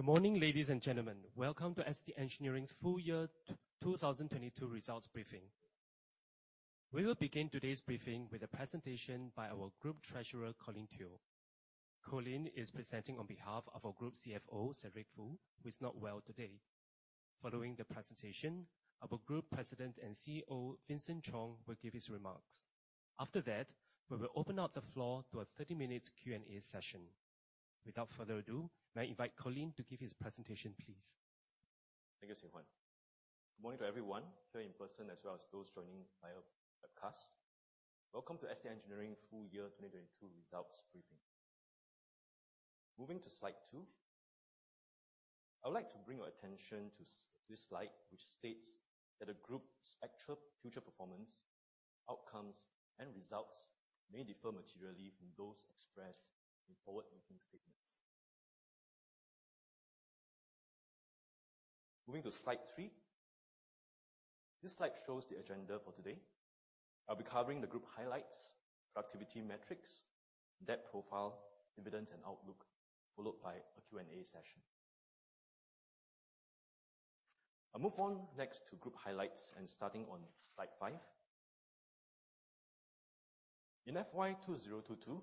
Good morning, ladies and gentlemen. Welcome to ST Engineering's full year 2022 results briefing. We will begin today's briefing with a presentation by our Group Treasurer, Colin Teo. Colin is presenting on behalf of our Group CFO, Cedric Foo, who is not well today. Following the presentation, our Group President and CEO, Vincent Chong, will give his remarks. After that, we will open up the floor to a 30-minute Q&A session. Without further ado, may I invite Colin to give his presentation, please. Thank you, Sihuan. Good morning to everyone here in person, as well as those joining via webcast. Welcome to ST Engineering full year 2022 results briefing. Moving to slide two. I would like to bring your attention to this slide, which states that a group's actual future performance, outcomes, and results may differ materially from those expressed in forward-looking statements. Moving to slide three. This slide shows the agenda for today. I'll be covering the group highlights, productivity metrics, debt profile, dividends, and outlook, followed by a Q&A session. I'll move on next to group highlights and starting on slide five. In FY 2022,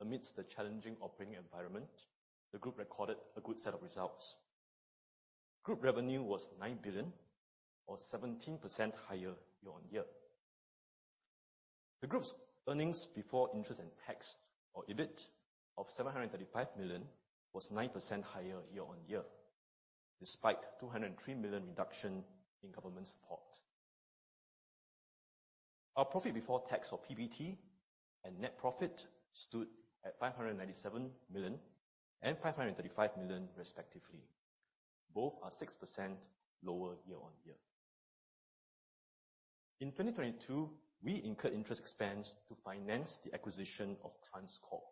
amidst the challenging operating environment, the group recorded a good set of results. Group revenue was 9 billion or 17% higher year-on-year. The group's earnings before interest and tax, or EBIT, of 735 million was 9% higher year-on-year, despite 203 million reduction in government support. Our profit before tax, or PBT, and net profit stood at 597 million and 535 million respectively. Both are 6% lower year-on-year. In 2022, we incurred interest expense to finance the acquisition of TransCore.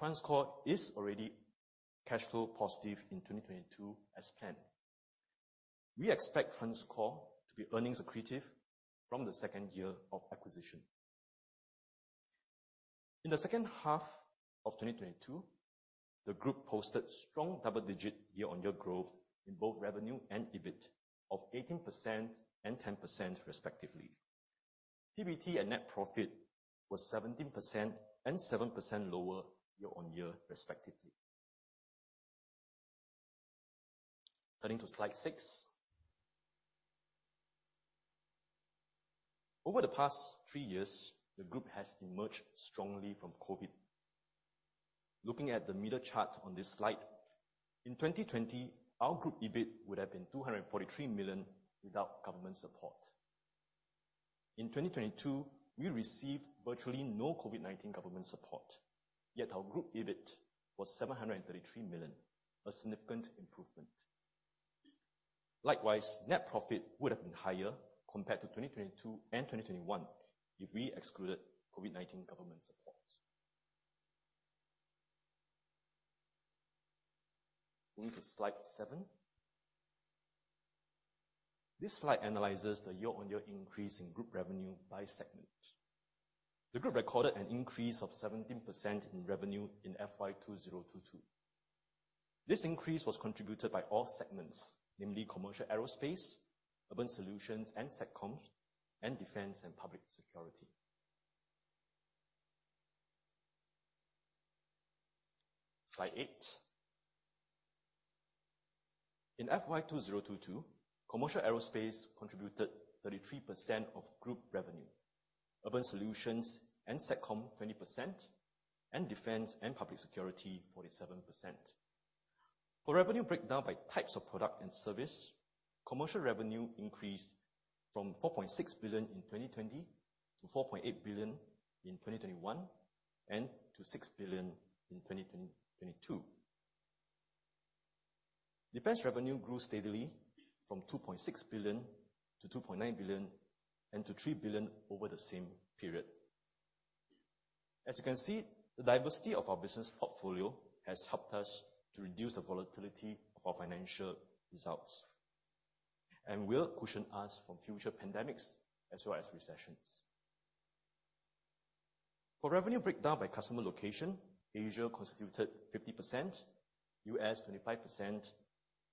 TransCore is already cashflow positive in 2022 as planned. We expect TransCore to be earnings accretive from the second year of acquisition. In the second half of 2022, the group posted strong double-digit year-on-year growth in both revenue and EBIT of 18% and 10% respectively. PBT and net profit was 17% and 7% lower year-on-year respectively. Turning to slide six. Over the past three years, the group has emerged strongly from COVID. Looking at the middle chart on this slide, in 2020, our group EBIT would have been 243 million without government support. In 2022, we received virtually no COVID-19 government support, yet our group EBIT was 733 million, a significant improvement. Likewise, net profit would have been higher compared to 2022 and 2021 if we excluded COVID-19 government support. Moving to slide seven. This slide analyzes the year-on-year increase in group revenue by segment. The group recorded an increase of 17% in revenue in FY 2022. This increase was contributed by all segments, namely Commercial Aerospace, Urban Solutions & Satcom, and Defence & Public Security. Slide eight. In FY 2022, Commercial Aerospace contributed 33% of group revenue, Urban Solutions & Satcom 20%, and Defence & Public Security 47%. For revenue breakdown by types of product and service, commercial revenue increased from 4.6 billion in 2020 to 4.8 billion in 2021, and to 6 billion in 2022. Defence revenue grew steadily from 2.6 billion to 2.9 billion and to 3 billion over the same period. As you can see, the diversity of our business portfolio has helped us to reduce the volatility of our financial results and will cushion us from future pandemics as well as recessions. For revenue breakdown by customer location, Asia constituted 50%, U.S. 25%,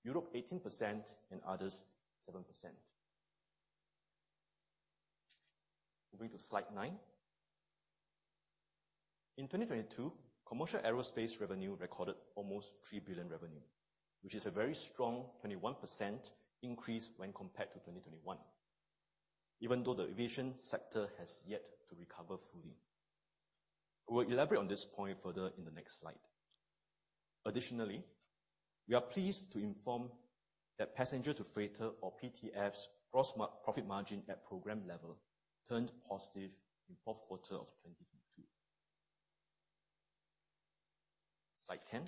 Europe 18%, and Others 7%. Moving to slide eight. In 2022, Commercial Aerospace revenue recorded almost 3 billion revenue, which is a very strong 21% increase when compared to 2021, even though the aviation sector has yet to recover fully. We'll elaborate on this point further in the next slide. Additionally, we are pleased to inform that passenger-to-freighter or P2F's gross profit margin at program level turned positive in fourth quarter of 2022. Slide 10.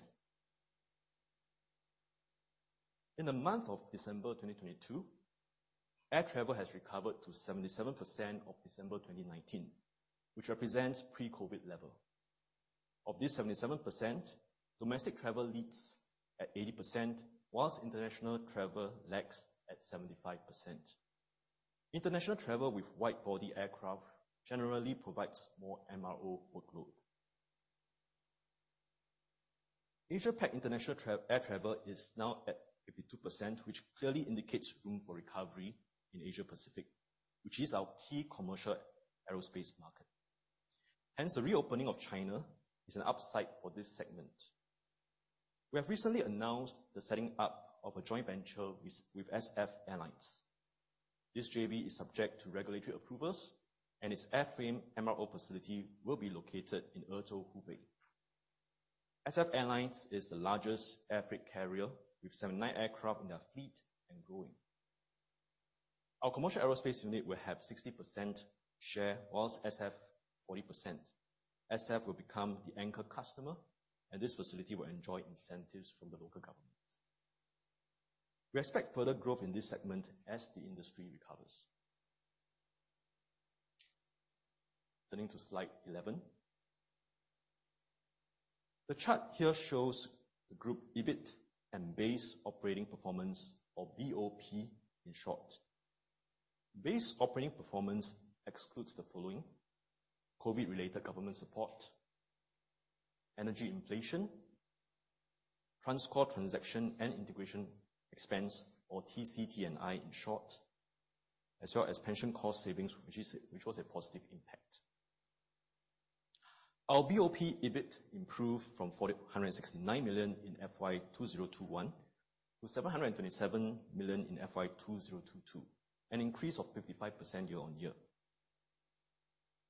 In the month of December 2022, air travel has recovered to 77% of December 2019, which represents pre-COVID level. Of this 77%, domestic travel leads at 80%, whilst international travel lags at 75%. International travel with wide-body aircraft generally provides more MRO workload. Asia-Pac international air travel is now at 52%, which clearly indicates room for recovery in Asia Pacific, which is our key Commercial Aerospace market. The reopening of China is an upside for this segment. We have recently announced the setting up of a joint venture with SF Airlines. This JV is subject to regulatory approvals and its airframe MRO facility will be located in Ezhou, Hubei. SF Airlines is the largest air freight carrier with 79 aircraft in their fleet and growing. Our Commercial Aerospace unit will have 60% share, whilst SF 40%. SF will become the anchor customer, this facility will enjoy incentives from the local government. We expect further growth in this segment as the industry recovers. Turning to slide 11. The chart here shows the group EBIT and base operating performance or BOP in short. Base operating performance excludes the following: COVID-related government support, energy inflation, TransCore transaction and integration expense or TC T&I in short, as well as pension cost savings which was a positive impact. Our BOP EBIT improved from 469 million in FY 2021 to 727 million in FY 2022, an increase of 55% year-on-year.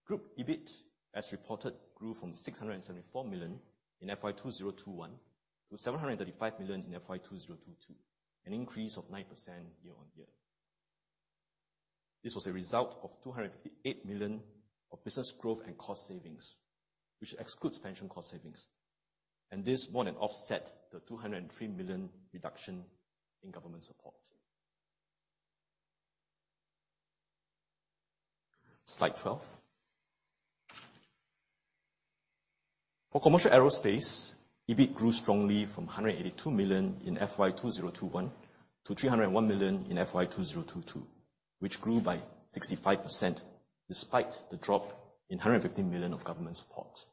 Group EBIT, as reported, grew from 674 million in FY 2021 to 735 million in FY 2022, an increase of 9% year-on-year. This was a result of 258 million of business growth and cost savings, which excludes pension cost savings, and this more than offset the 203 million reduction in government support. Slide 12. For Commercial Aerospace, EBIT grew strongly from 182 million in FY 2021 to 301 million in FY 2022, which grew by 65% despite the drop in 150 million of government support.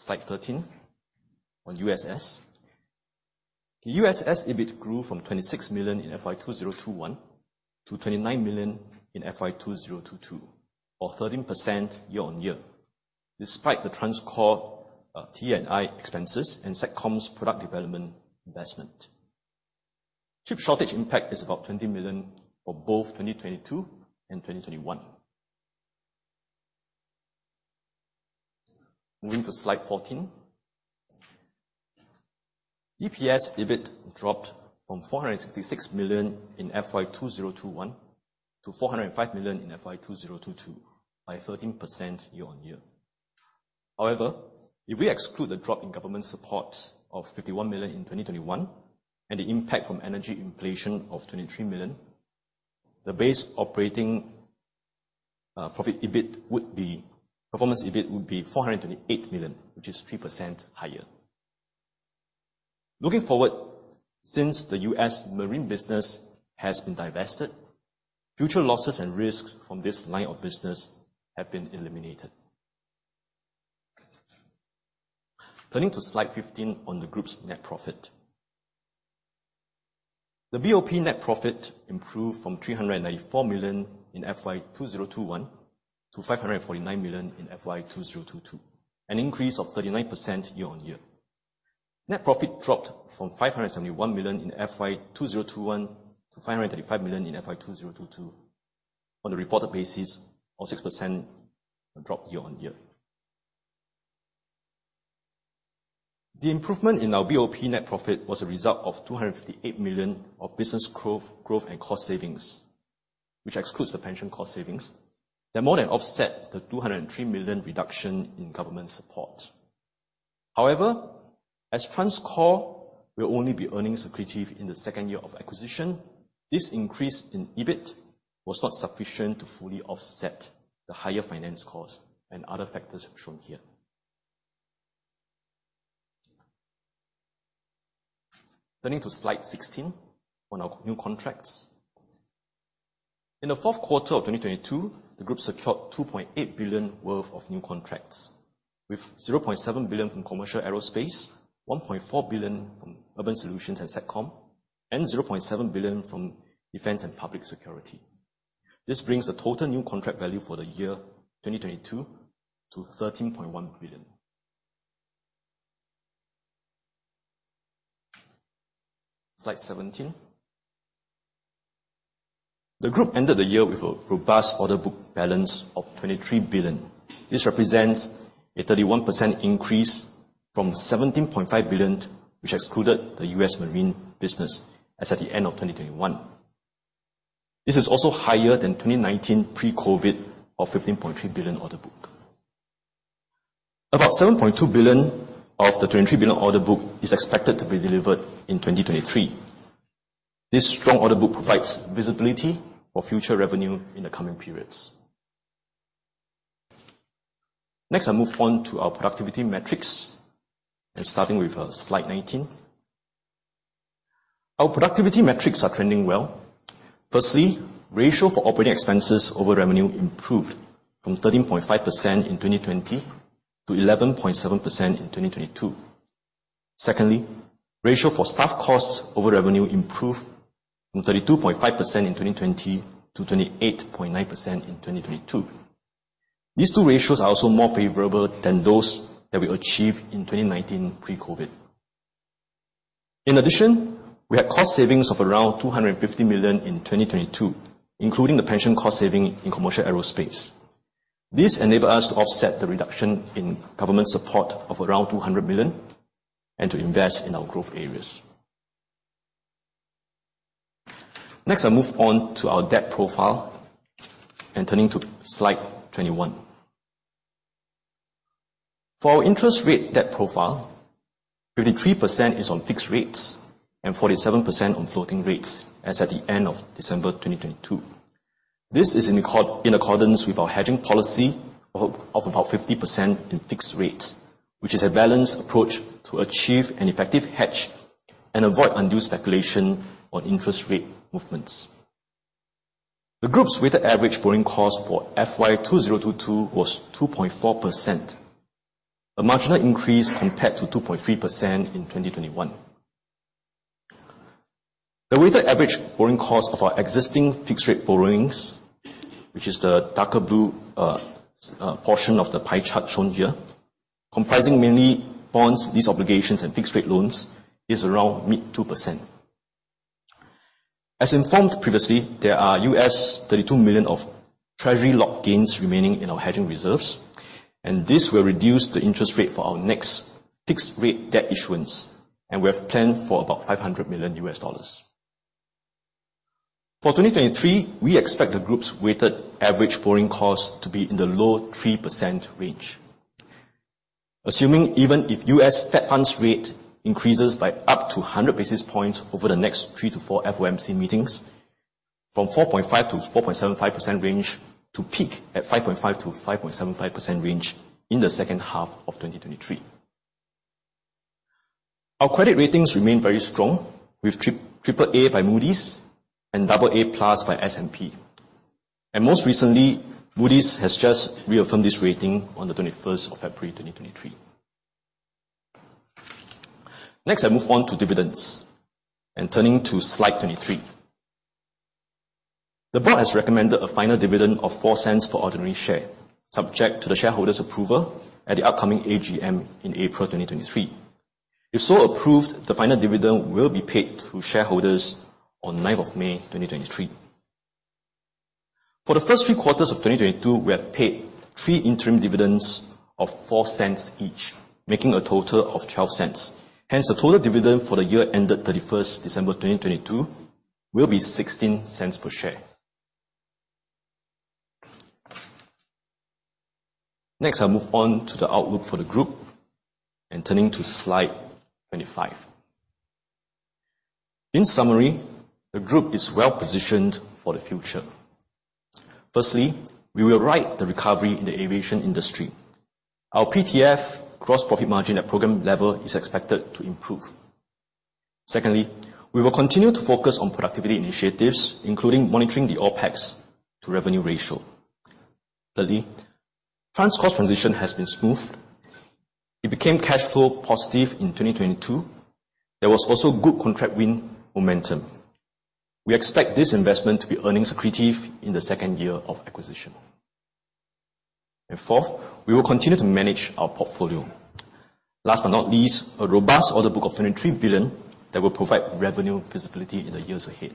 Slide 13 on USS. The USS EBIT grew from 26 million in FY 2021 to 29 million in FY 2022 or 13% year-on-year, despite the TransCore T&I expenses and Satcom's product development investment. Chip shortage impact is about 20 million for both 2022 and 2021. Moving to Slide 14. EPS EBIT dropped from 466 million in FY 2021 to 405 million in FY 2022 by 13% year-on-year. However, if we exclude the drop in government support of 51 million in 2021 and the impact from energy inflation of 23 million, the base operating performance EBIT would be 428 million, which is 3% higher. Looking forward, since the U.S. Marine business has been divested, future losses and risks from this line of business have been eliminated. Turning to slide 15 on the group's net profit. The BOP net profit improved from 394 million in FY 2021 to 549 million in FY 2022, an increase of 39% year-on-year. Net profit dropped from 571 million in FY 2021 to 535 million in FY 2022 on a reported basis or 6% drop year-on-year. The improvement in our BOP net profit was a result of 258 million of business growth and cost savings, which excludes the pension cost savings that more than offset the 203 million reduction in government support. As TransCore will only be earnings accretive in the second year of acquisition, this increase in EBIT was not sufficient to fully offset the higher finance costs and other factors shown here. Turning to slide 16 on our new contracts. In the fourth quarter of 2022, the group secured 2.8 billion worth of new contracts, with 0.7 billion from Commercial Aerospace, 1.4 billion from Urban Solutions & Satcom, and 0.7 billion from Defence & Public Security. This brings the total new contract value for the year 2022 to SGD 13.1 billion. Slide 17. The group ended the year with a robust order book balance of 23 billion. This represents a 31% increase from 17.5 billion, which excluded the U.S. Marine business as at the end of 2021. This is also higher than 2019 pre-COVID of 15.3 billion order book. About 7.2 billion of the 23 billion order book is expected to be delivered in 2023. This strong order book provides visibility for future revenue in the coming periods. Next, I'll move on to our productivity metrics, and starting with slide 19. Our productivity metrics are trending well. Firstly, ratio for operating expenses over revenue improved from 13.5% in 2020 to 11.7% in 2022. Secondly, ratio for staff costs over revenue improved from 32.5% in 2020 to 28.9% in 2022. These two ratios are also more favorable than those that we achieved in 2019 pre-COVID. We had cost savings of around 250 million in 2022, including the pension cost saving in Commercial Aerospace. This enable us to offset the reduction in government support of around 200 million and to invest in our growth areas. I move on to our debt profile, and turning to slide 21. For our interest rate debt profile, 53% is on fixed rates and 47% on floating rates as at the end of December 2022. This is in accordance with our hedging policy of about 50% in fixed rates, which is a balanced approach to achieve an effective hedge and avoid undue speculation on interest rate movements. The group's weighted average borrowing cost for FY 2022 was 2.4%. A marginal increase compared to 2.3% in 2021. The weighted average borrowing cost of our existing fixed rate borrowings, which is the darker blue portion of the pie chart shown here, comprising mainly bonds, lease obligations, and fixed rate loans, is around mid 2%. As informed previously, there are $32 million of treasury lock-ins remaining in our hedging reserves. This will reduce the interest rate for our next fixed rate debt issuance, and we have planned for about $500 million. For 2023, we expect the group's weighted average borrowing cost to be in the low 3% range. Assuming even if U.S. Fed funds rate increases by up to 100 basis points over the next 3 to 4 FOMC meetings from 4.5% to 4.75% range to peak at 5.5% to 5.75% range in the second half of 2023. Our credit ratings remain very strong with AAA by Moody's and AA+ by S&P. Most recently, Moody's has just reaffirmed this rating on the 21st of February 2023. Next, I move on to dividends, turning to slide 23. The Board has recommended a final dividend of 0.04 for ordinary share, subject to the shareholders' approval at the upcoming AGM in April 2023. If so approved, the final dividend will be paid to shareholders on 9th of May 2023. For the first three quarters of 2022, we have paid three interim dividends of 0.04 each, making a total of 0.12. The total dividend for the year ended 31st December 2022 will be 0.16 per share. I'll move on to the outlook for the group, and turning to slide 25. The group is well-positioned for the future. We will ride the recovery in the aviation industry. Our P2F gross profit margin at program level is expected to improve. We will continue to focus on productivity initiatives, including monitoring the OpEx-to-revenue ratio. Thirdly, TransCore's transition has been smooth. It became cash flow positive in 2022. There was also good contract win momentum. We expect this investment to be earnings accretive in the second year of acquisition. Fourth, we will continue to manage our portfolio. Last but not least, a robust order book of 23 billion that will provide revenue visibility in the years ahead.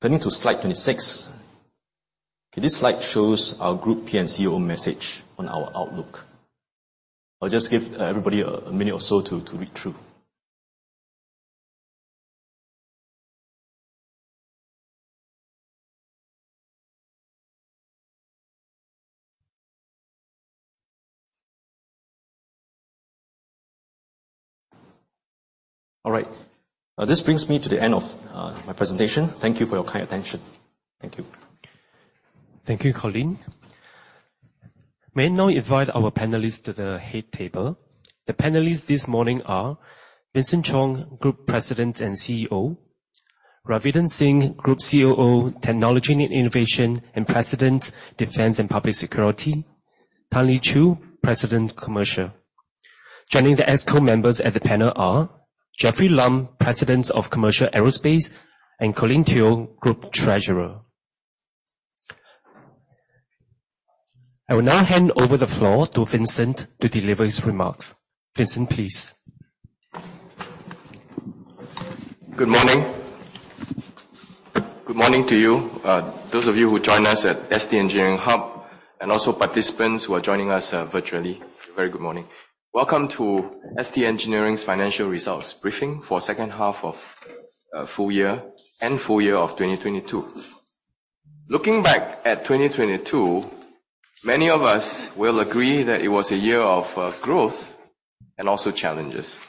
Turning to slide 26. Okay, this slide shows our Group P&CEO's message on our outlook. I'll just give everybody a minute or so to read through. All right. This brings me to the end of my presentation. Thank you for your kind attention. Thank you. Thank you, Colin. May I now invite our panelists to the head table. The panelists this morning are Vincent Chong, Group President and CEO. Ravinder Singh, Group COO, Technology and Innovation, and President, Defence & Public Security. Tan Lee Chew, President, Commercial. Joining the ExCo members at the panel are Jeffrey Lam, President of Commercial Aerospace, and Colin Teo, Group Treasurer. I will now hand over the floor to Vincent to deliver his remarks. Vincent, please. Good morning. Good morning to you. Those of you who joined us at ST Engineering Hub and also participants who are joining us virtually, a very good morning. Welcome to ST Engineering's financial results briefing for second half of full year and full year of 2022. Looking back at 2022, many of us will agree that it was a year of growth and also challenges.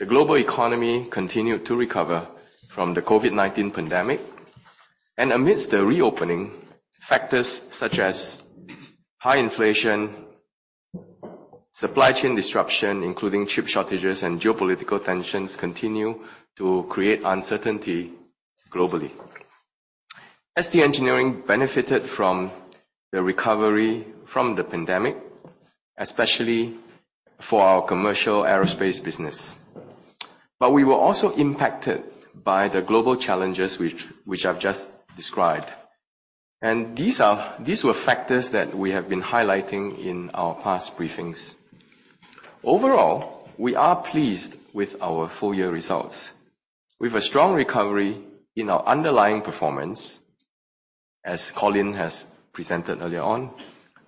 The global economy continued to recover from the COVID-19 pandemic and amidst the reopening, factors such as high inflation, supply chain disruption, including chip shortages and geopolitical tensions, continue to create uncertainty globally. ST Engineering benefited from the recovery from the pandemic, especially for our commercial aerospace business. We were also impacted by the global challenges which I've just described. These were factors that we have been highlighting in our past briefings. Overall, we are pleased with our full-year results. We've a strong recovery in our underlying performance as Colin has presented earlier on,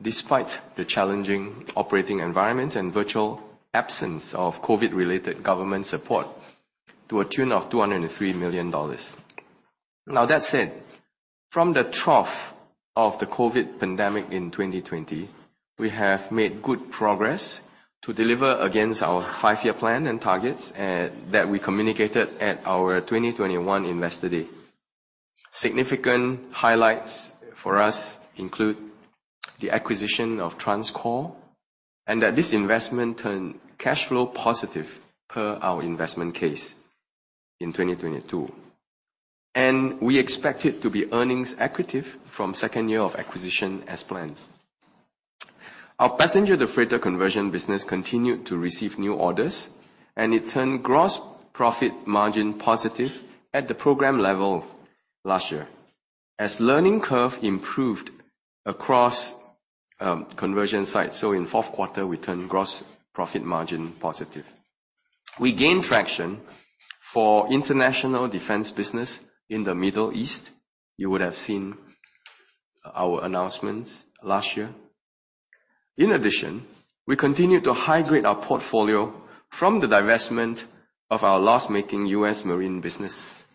despite the challenging operating environment and virtual absence of COVID-related government support to a tune of 203 million dollars. That said, from the trough of the COVID pandemic in 2020, we have made good progress to deliver against our five-year plan and targets that we communicated at our 2021 Investor Day. Significant highlights for us include the acquisition of TransCore, and that this investment turned cash flow positive per our investment case in 2022, and we expect it to be earnings accretive from 2nd year of acquisition as planned. Our passenger-to-freighter conversion business continued to receive new orders, and it turned gross profit margin positive at the program level last year, as learning curve improved across conversion sites. In 4th quarter, we turned gross profit margin positive. We gained traction for international defence business in the Middle East. You would have seen our announcements last year. We continued to high-grade our portfolio from the divestment of our loss-making U.S. Marine business.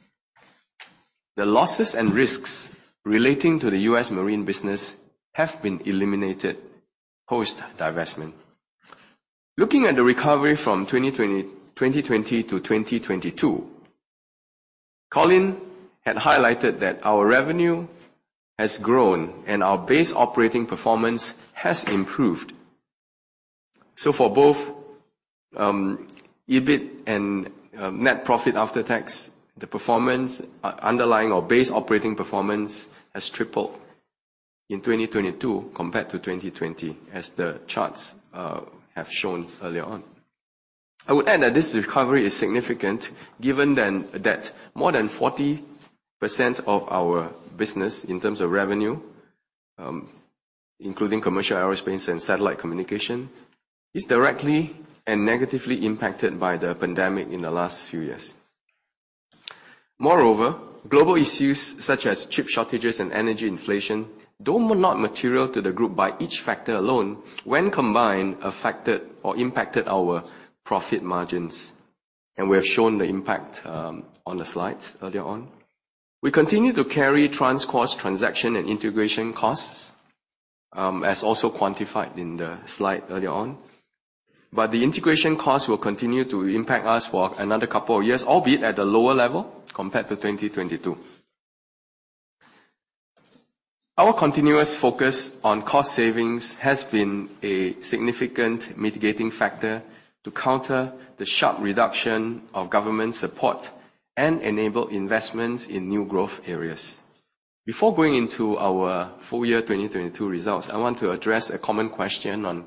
The losses and risks relating to the U.S. Marine business have been eliminated post-divestment. Looking at the recovery from 2020 to 2022, Colin had highlighted that our revenue has grown and our base operating performance has improved. For both EBIT and net profit after tax, the performance underlying or base operating performance has tripled in 2022 compared to 2020, as the charts have shown earlier on. I would add that this recovery is significant given then that more than 40% of our business in terms of revenue, including Commercial Aerospace and Satellite Communication, is directly and negatively impacted by the pandemic in the last few years. Moreover, global issues such as chip shortages and energy inflation, though not material to the group by each factor alone when combined, affected or impacted our profit margins. We have shown the impact on the slides earlier on. We continue to carry TransCore's transaction and integration costs, as also quantified in the slide earlier on. The integration costs will continue to impact us for another couple of years, albeit at a lower level compared to 2022. Our continuous focus on cost savings has been a significant mitigating factor to counter the sharp reduction of government support and enable investments in new growth areas. Before going into our full year 2022 results, I want to address a common question on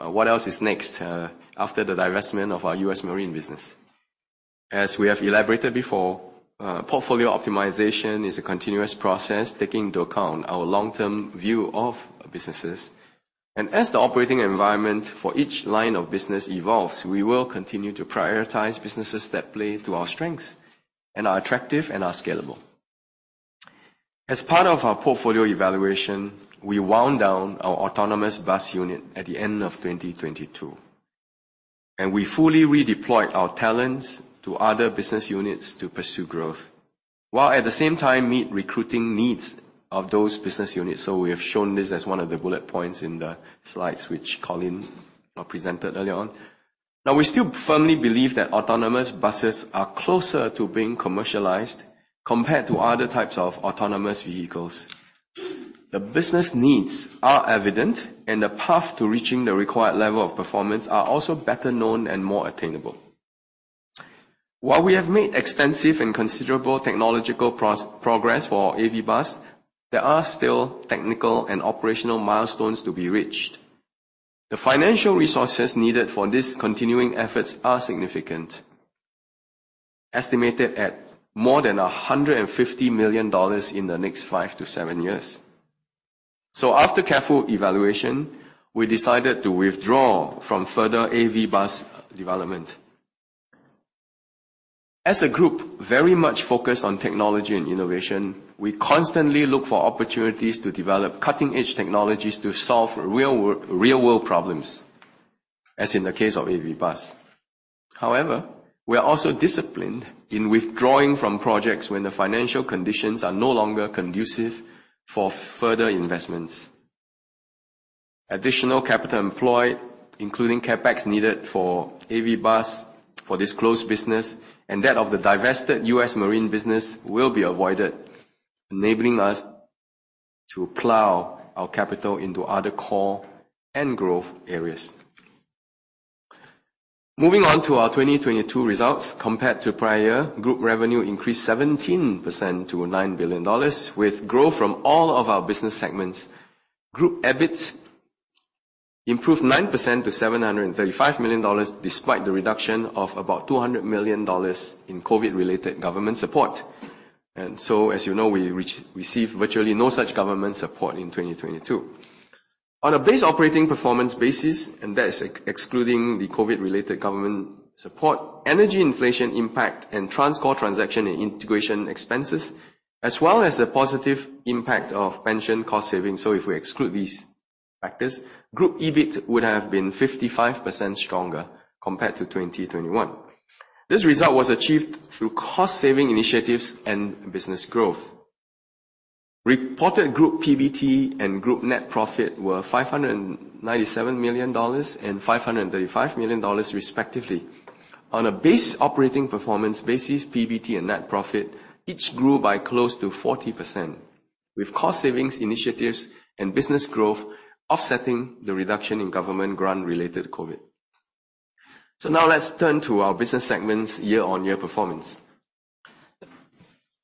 what else is next after the divestment of our U.S. Marine business. As we have elaborated before, portfolio optimization is a continuous process, taking into account our long-term view of businesses. As the operating environment for each line of business evolves, we will continue to prioritize businesses that play to our strengths and are attractive and are scalable. As part of our portfolio evaluation, we wound down our Autonomous Bus unit at the end of 2022, and we fully redeployed our talents to other business units to pursue growth, while at the same time meet recruiting needs of those business units. We have shown this as one of the bullet points in the slides which Colin presented earlier on. We still firmly believe that autonomous buses are closer to being commercialized compared to other types of autonomous vehicles. The business needs are evident, and the path to reaching the required level of performance are also better known and more attainable. While we have made extensive and considerable technological progress for our AV Bus, there are still technical and operational milestones to be reached. The financial resources needed for these continuing efforts are significant, estimated at more than 150 million dollars in the next five to seven years. After careful evaluation, we decided to withdraw from further AV bus development. As a group very much focused on technology and innovation, we constantly look for opportunities to develop cutting-edge technologies to solve real world problems, as in the case of AV bus. However, we are also disciplined in withdrawing from projects when the financial conditions are no longer conducive for further investments. Additional capital employed, including CapEx needed for AV Bus for this close business and that of the divested U.S. Marine business will be avoided, enabling us to plow our capital into other core and growth areas. Moving on to our 2022 results compared to prior group revenue increased 17% to 9 billion dollars with growth from all of our business segments. Group EBIT improved 9% to 735 million dollars despite the reduction of about 200 million dollars in COVID-related government support. As you know, we receive virtually no such government support in 2022. On a base operating performance basis, and that is excluding the COVID-related government support, energy inflation impact and TransCore transaction and integration expenses, as well as the positive impact of pension cost savings. If we exclude these factors, Group EBIT would have been 55% stronger compared to 2021. This result was achieved through cost saving initiatives and business growth. Reported group PBT and group net profit were 597 million dollars and 535 million dollars respectively. On a base operating performance basis, PBT and net profit each grew by close to 40%, with cost savings initiatives and business growth offsetting the reduction in government grant related COVID. Now let's turn to our business segments year-over-year performance.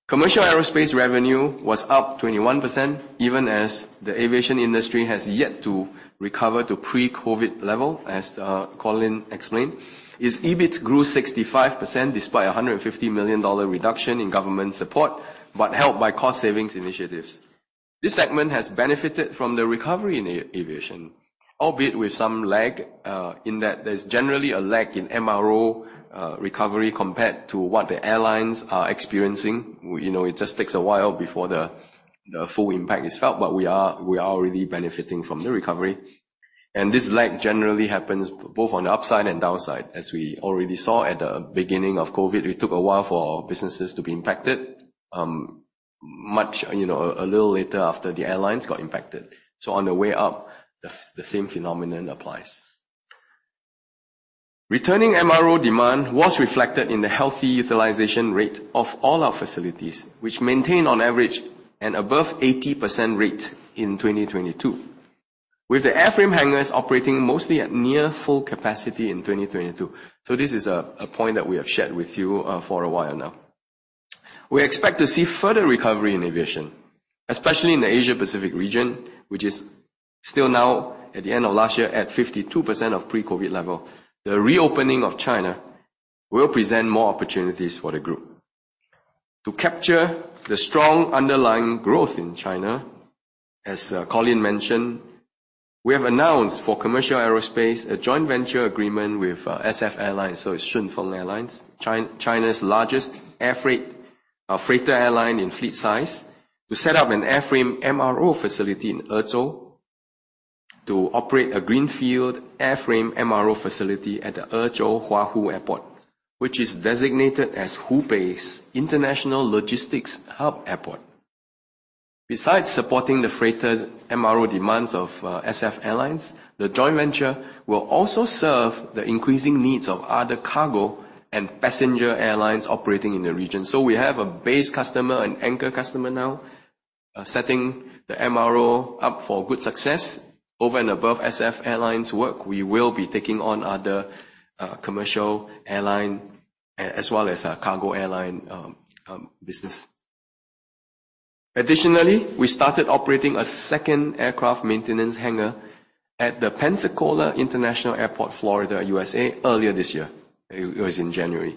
Commercial Aerospace revenue was up 21%, even as the aviation industry has yet to recover to pre-COVID level, as Colin explained. Its EBIT grew 65% despite a $150 million reduction in government support, but helped by cost savings initiatives. This segment has benefited from the recovery in aviation, albeit with some lag, in that there's generally a lag in MRO recovery compared to what the airlines are experiencing. you know, it just takes a while before the full impact is felt, but we are already benefiting from the recovery. This lag generally happens both on the upside and downside. As we already saw at the beginning of COVID, it took a while for our businesses to be impacted, you know, a little later after the airlines got impacted. On the way up, the same phenomenon applies. Returning MRO demand was reflected in the healthy utilization rate of all our facilities, which maintained on average an above 80% rate in 2022, with the airframe hangars operating mostly at near full capacity in 2022. This is a point that we have shared with you for a while now. We expect to see further recovery in aviation, especially in the Asia Pacific region, which is still now at the end of last year at 52% of pre-COVID level. The reopening of China will present more opportunities for the group. To capture the strong underlying growth in China, as Colin mentioned, we have announced for Commercial Aerospace a joint venture agreement with SF Airlines. It's Shun Feng Airlines, China's largest air freight, freighter airline in fleet size, to set up an airframe MRO facility in Ezhou to operate a greenfield airframe MRO facility at the Ezhou Huahu Airport, which is designated as Hubei's international logistics hub airport. Besides supporting the freighter MRO demands of SF Airlines, the joint venture will also serve the increasing needs of other cargo and passenger airlines operating in the region. We have a base customer, an anchor customer now, setting the MRO up for good success over and above SF Airlines work. We will be taking on other commercial airline as well as cargo airline business. Additionally, we started operating a second aircraft maintenance hangar at the Pensacola International Airport, Florida, USA earlier this year. It was in January.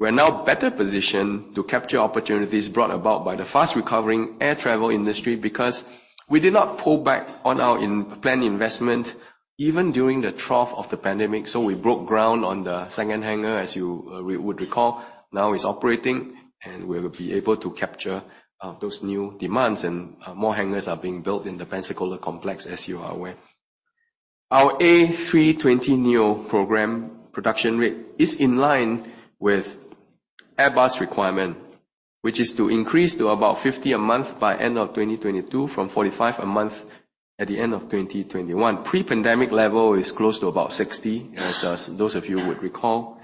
We're now better positioned to capture opportunities brought about by the fast recovering air travel industry because we did not pull back on our in-plan investment even during the trough of the pandemic. We broke ground on the second hangar, as you would recall. Now it's operating, and we'll be able to capture those new demands. More hangars are being built in the Pensacola complex, as you are aware. Our A320neo program production rate is in line with Airbus requirement, which is to increase to about 50 a month by end of 2022 from 45 a month at the end of 2021. Pre-pandemic level is close to about 60, as those of you would recall.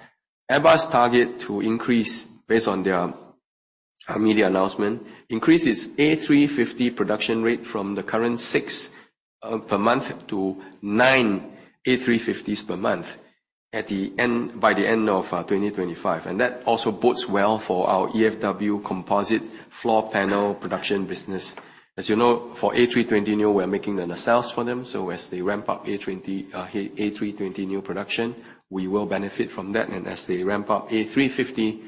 Airbus targets to increase based on their media announcement, increase its A350 production rate from the current six per month to nine A350s per month by the end of 2025. That also bodes well for our EFW composite floor panel production business. As you know, for A320neo, we're making the nacelles for them. As they ramp up A320neo production, we will benefit from that. As they ramp up A350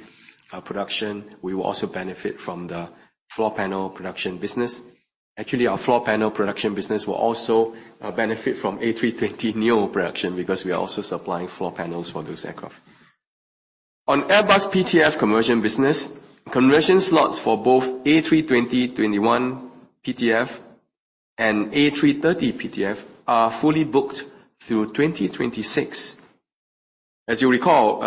production, we will also benefit from the floor panel production business. Actually, our floor panel production business will also benefit from A320neo production because we are also supplying floor panels for those aircraft. On Airbus P2F conversion business, conversion slots for both A320/321 P2F and A330 P2F are fully booked through 2026. As you recall,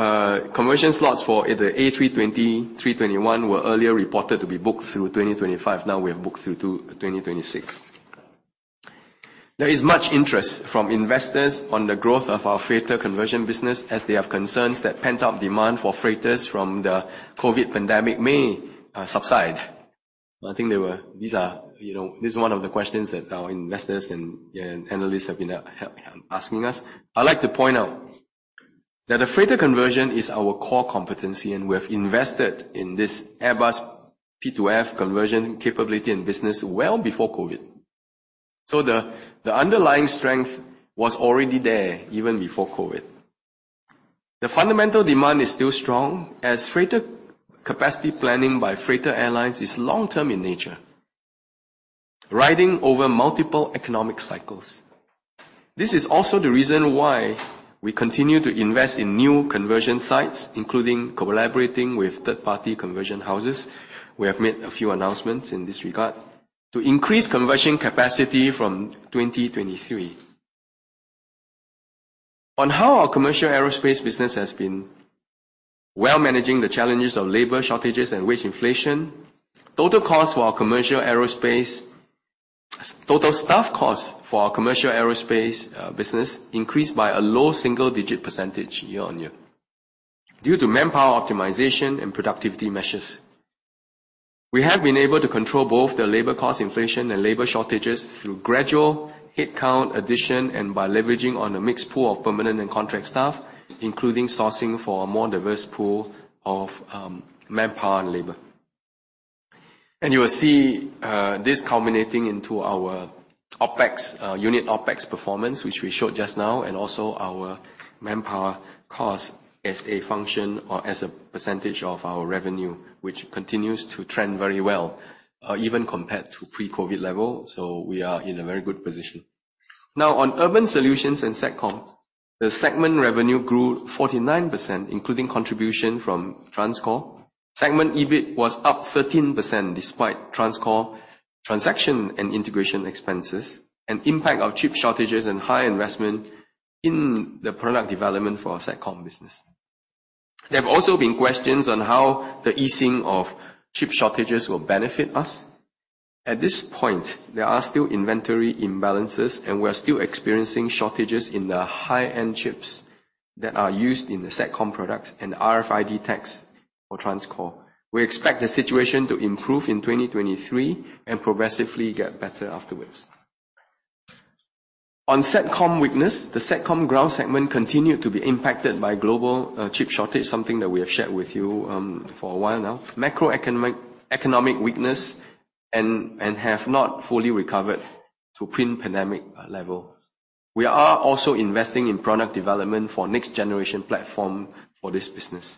conversion slots for either A320/321 were earlier reported to be booked through 2025. Now we have booked through to 2026. There is much interest from investors on the growth of our freighter conversion business, as they have concerns that pent-up demand for freighters from the COVID pandemic may subside. These are, you know, this is one of the questions that our investors and analysts have been asking us. I'd like to point out that a freighter conversion is our core competency, and we have invested in this Airbus P2F conversion capability and business well before COVID. The underlying strength was already there even before COVID. The fundamental demand is still strong as freighter capacity planning by freighter airlines is long-term in nature, riding over multiple economic cycles. This is also the reason why we continue to invest in new conversion sites, including collaborating with third-party conversion houses. We have made a few announcements in this regard to increase conversion capacity from 2023. On how our Commercial Aerospace business has been, well managing the challenges of labor shortages and wage inflation. Total staff costs for our Commercial Aerospace business increased by a low single-digit percentage year-on-year due to manpower optimization and productivity measures. We have been able to control both the labor cost inflation and labor shortages through gradual headcount addition and by leveraging on a mixed pool of permanent and contract staff, including sourcing for a more diverse pool of manpower and labor. You will see this culminating into our OpEx unit OpEx performance, which we showed just now, and also our manpower costs as a function or as a percentage of our revenue, which continues to trend very well, even compared to pre-COVID level. We are in a very good position. Now on Urban Solutions & Satcom, the segment revenue grew 49%, including contribution from TransCore. Segment EBIT was up 13% despite TransCore transaction and integration expenses and impact of chip shortages and high investment in the product development for our Satcom business. There have also been questions on how the easing of chip shortages will benefit us. At this point, there are still inventory imbalances, and we are still experiencing shortages in the high-end chips that are used in the Satcom products and RFID tags for TransCore. We expect the situation to improve in 2023 and progressively get better afterwards. On Satcom weakness, the Satcom ground segment continued to be impacted by global chip shortage, something that we have shared with you for a while now. Macroeconomic, economic weakness and have not fully recovered to pre-pandemic levels. We are also investing in product development for next generation platform for this business.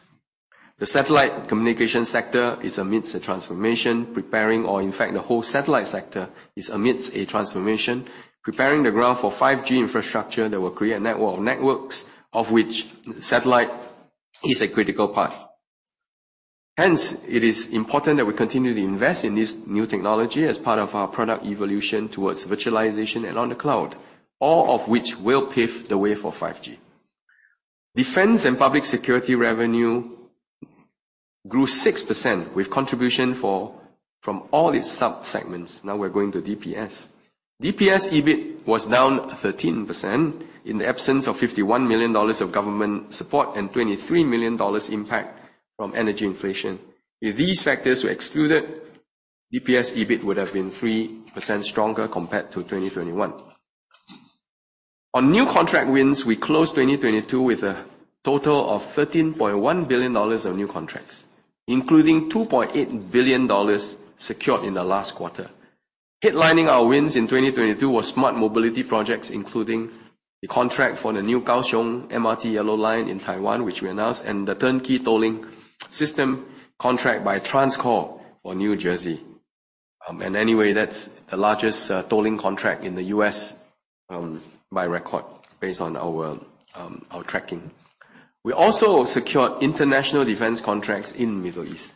The satellite communication sector is amidst a transformation preparing or in fact, the whole satellite sector is amidst a transformation, preparing the ground for 5G infrastructure that will create a network of networks of which satellite is a critical part. It is important that we continue to invest in this new technology as part of our product evolution towards virtualization and on the cloud, all of which will pave the way for 5G. Defence & Public Security revenue grew 6% with contribution from all its sub-segments. We're going to DPS. DPS EBIT was down 13% in the absence of SGD 51 million of government support and SGD 23 million impact from energy inflation. If these factors were excluded, DPS EBIT would have been 3% stronger compared to 2021. On new contract wins, we closed 2022 with a total of 13.1 billion dollars of new contracts, including 2.8 billion dollars secured in the last quarter. Headlining our wins in 2022 was Smart Mobility projects including the contract for the new Kaohsiung MRT Yellow Line in Taiwan, which we announced, and the turnkey tolling system contract by TransCore for New Jersey. Anyway, that's the largest tolling contract in the U.S. by record based on our tracking. We also secured international defence contracts in Middle East.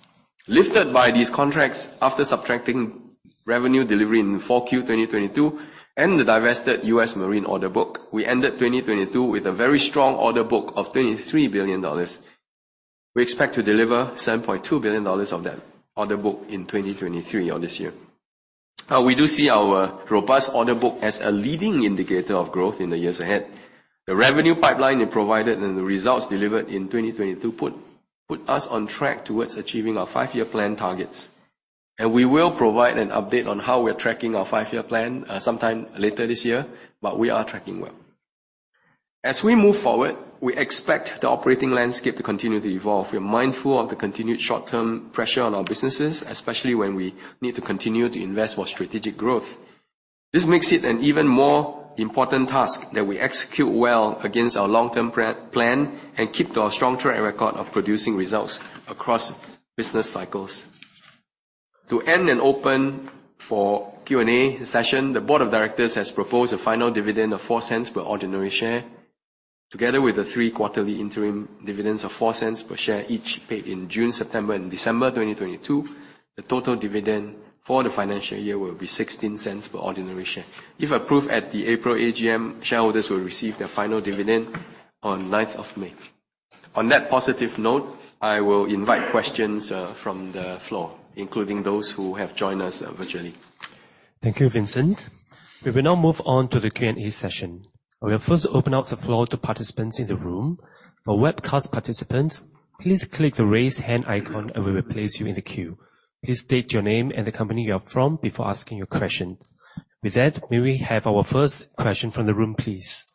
Lifted by these contracts after subtracting revenue delivery in Q4 2022 and the divested U.S. Marine order book, we ended 2022 with a very strong order book of 23 billion dollars. We expect to deliver 7.2 billion dollars of that order book in 2023 or this year. We do see our robust order book as a leading indicator of growth in the years ahead. The revenue pipeline it provided and the results delivered in 2022 put us on track towards achieving our five-year plan targets. We will provide an update on how we're tracking our five-year plan sometime later this year, but we are tracking well. As we move forward, we expect the operating landscape to continue to evolve. We are mindful of the continued short-term pressure on our businesses, especially when we need to continue to invest for strategic growth. This makes it an even more important task that we execute well against our long-term plan and keep to our strong track record of producing results across business cycles. To end and open for Q&A session, the board of directors has proposed a final dividend of 0.04 per ordinary share. Together with the three quarterly interim dividends of 0.04 per share, each paid in June, September and December 2022, the total dividend for the financial year will be 0.16 per ordinary share. If approved at the April AGM, shareholders will receive their final dividend on 9th of May. On that positive note, I will invite questions, from the floor, including those who have joined us virtually. Thank you, Vincent. We will now move on to the Q&A session. We will first open up the floor to participants in the room. For webcast participants, please click the "Raise Hand" icon, and we will place you in the queue. Please state your name and the company you are from before asking your question. With that, may we have our first question from the room, please.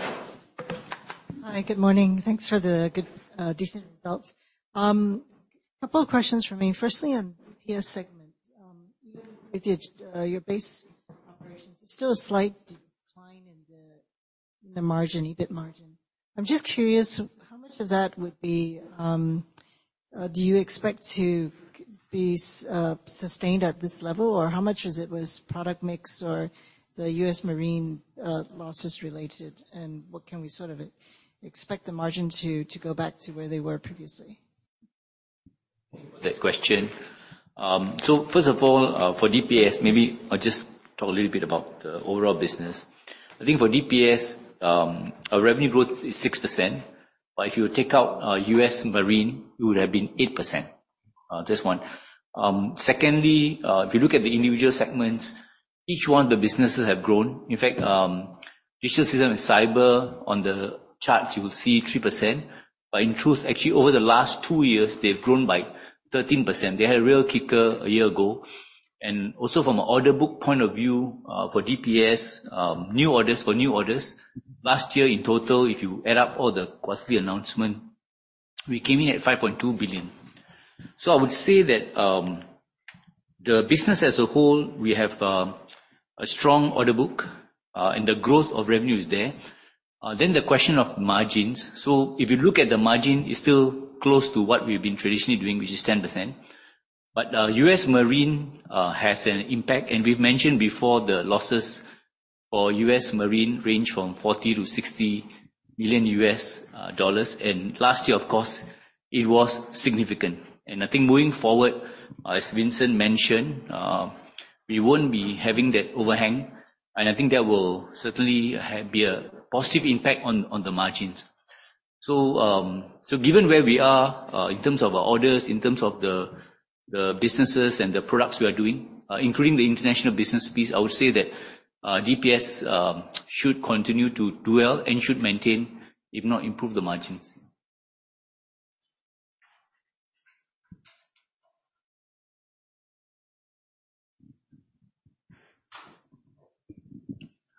Hi, good morning. Thanks for the decent results. A couple of questions from me. Firstly, on DPS segment. Even with your base operations, it's still a slight decline in the margin, EBIT margin. I'm just curious, how much of that would be, do you expect to be sustained at this level? Or how much was it product mix or the U.S. Marine losses related? What can we sort of expect the margin to go back to where they were previously? That question. First of all, for DPS, maybe I'll just talk a little bit about the overall business. I think for DPS, our revenue growth is 6%, but if you take out U.S. Marine, it would have been 8%. Just one. Secondly, if you look at the individual segments, each one of the businesses have grown. In fact, Digital Systems and Cyber on the chart you will see 3%, but in truth, actually, over the last two years, they've grown by 13%. They had a real kicker a year ago. From an order book point of view, for DPS, new orders for new orders last year in total, if you add up all the quarterly announcement, we came in at 5.2 billion. I would say that the business as a whole, we have a strong order book, and the growth of revenue is there. The question of margins. If you look at the margin, it's still close to what we've been traditionally doing, which is 10%. U.S. Marine has an impact. We've mentioned before the losses for U.S. Marine range from $40 million-$60 million. Last year, of course, it was significant. I think moving forward, as Vincent mentioned, we won't be having that overhang, and I think that will certainly be a positive impact on the margins. Given where we are, in terms of our orders, in terms of the businesses and the products we are doing, including the international business piece, I would say that DPS should continue to do well and should maintain, if not improve the margins.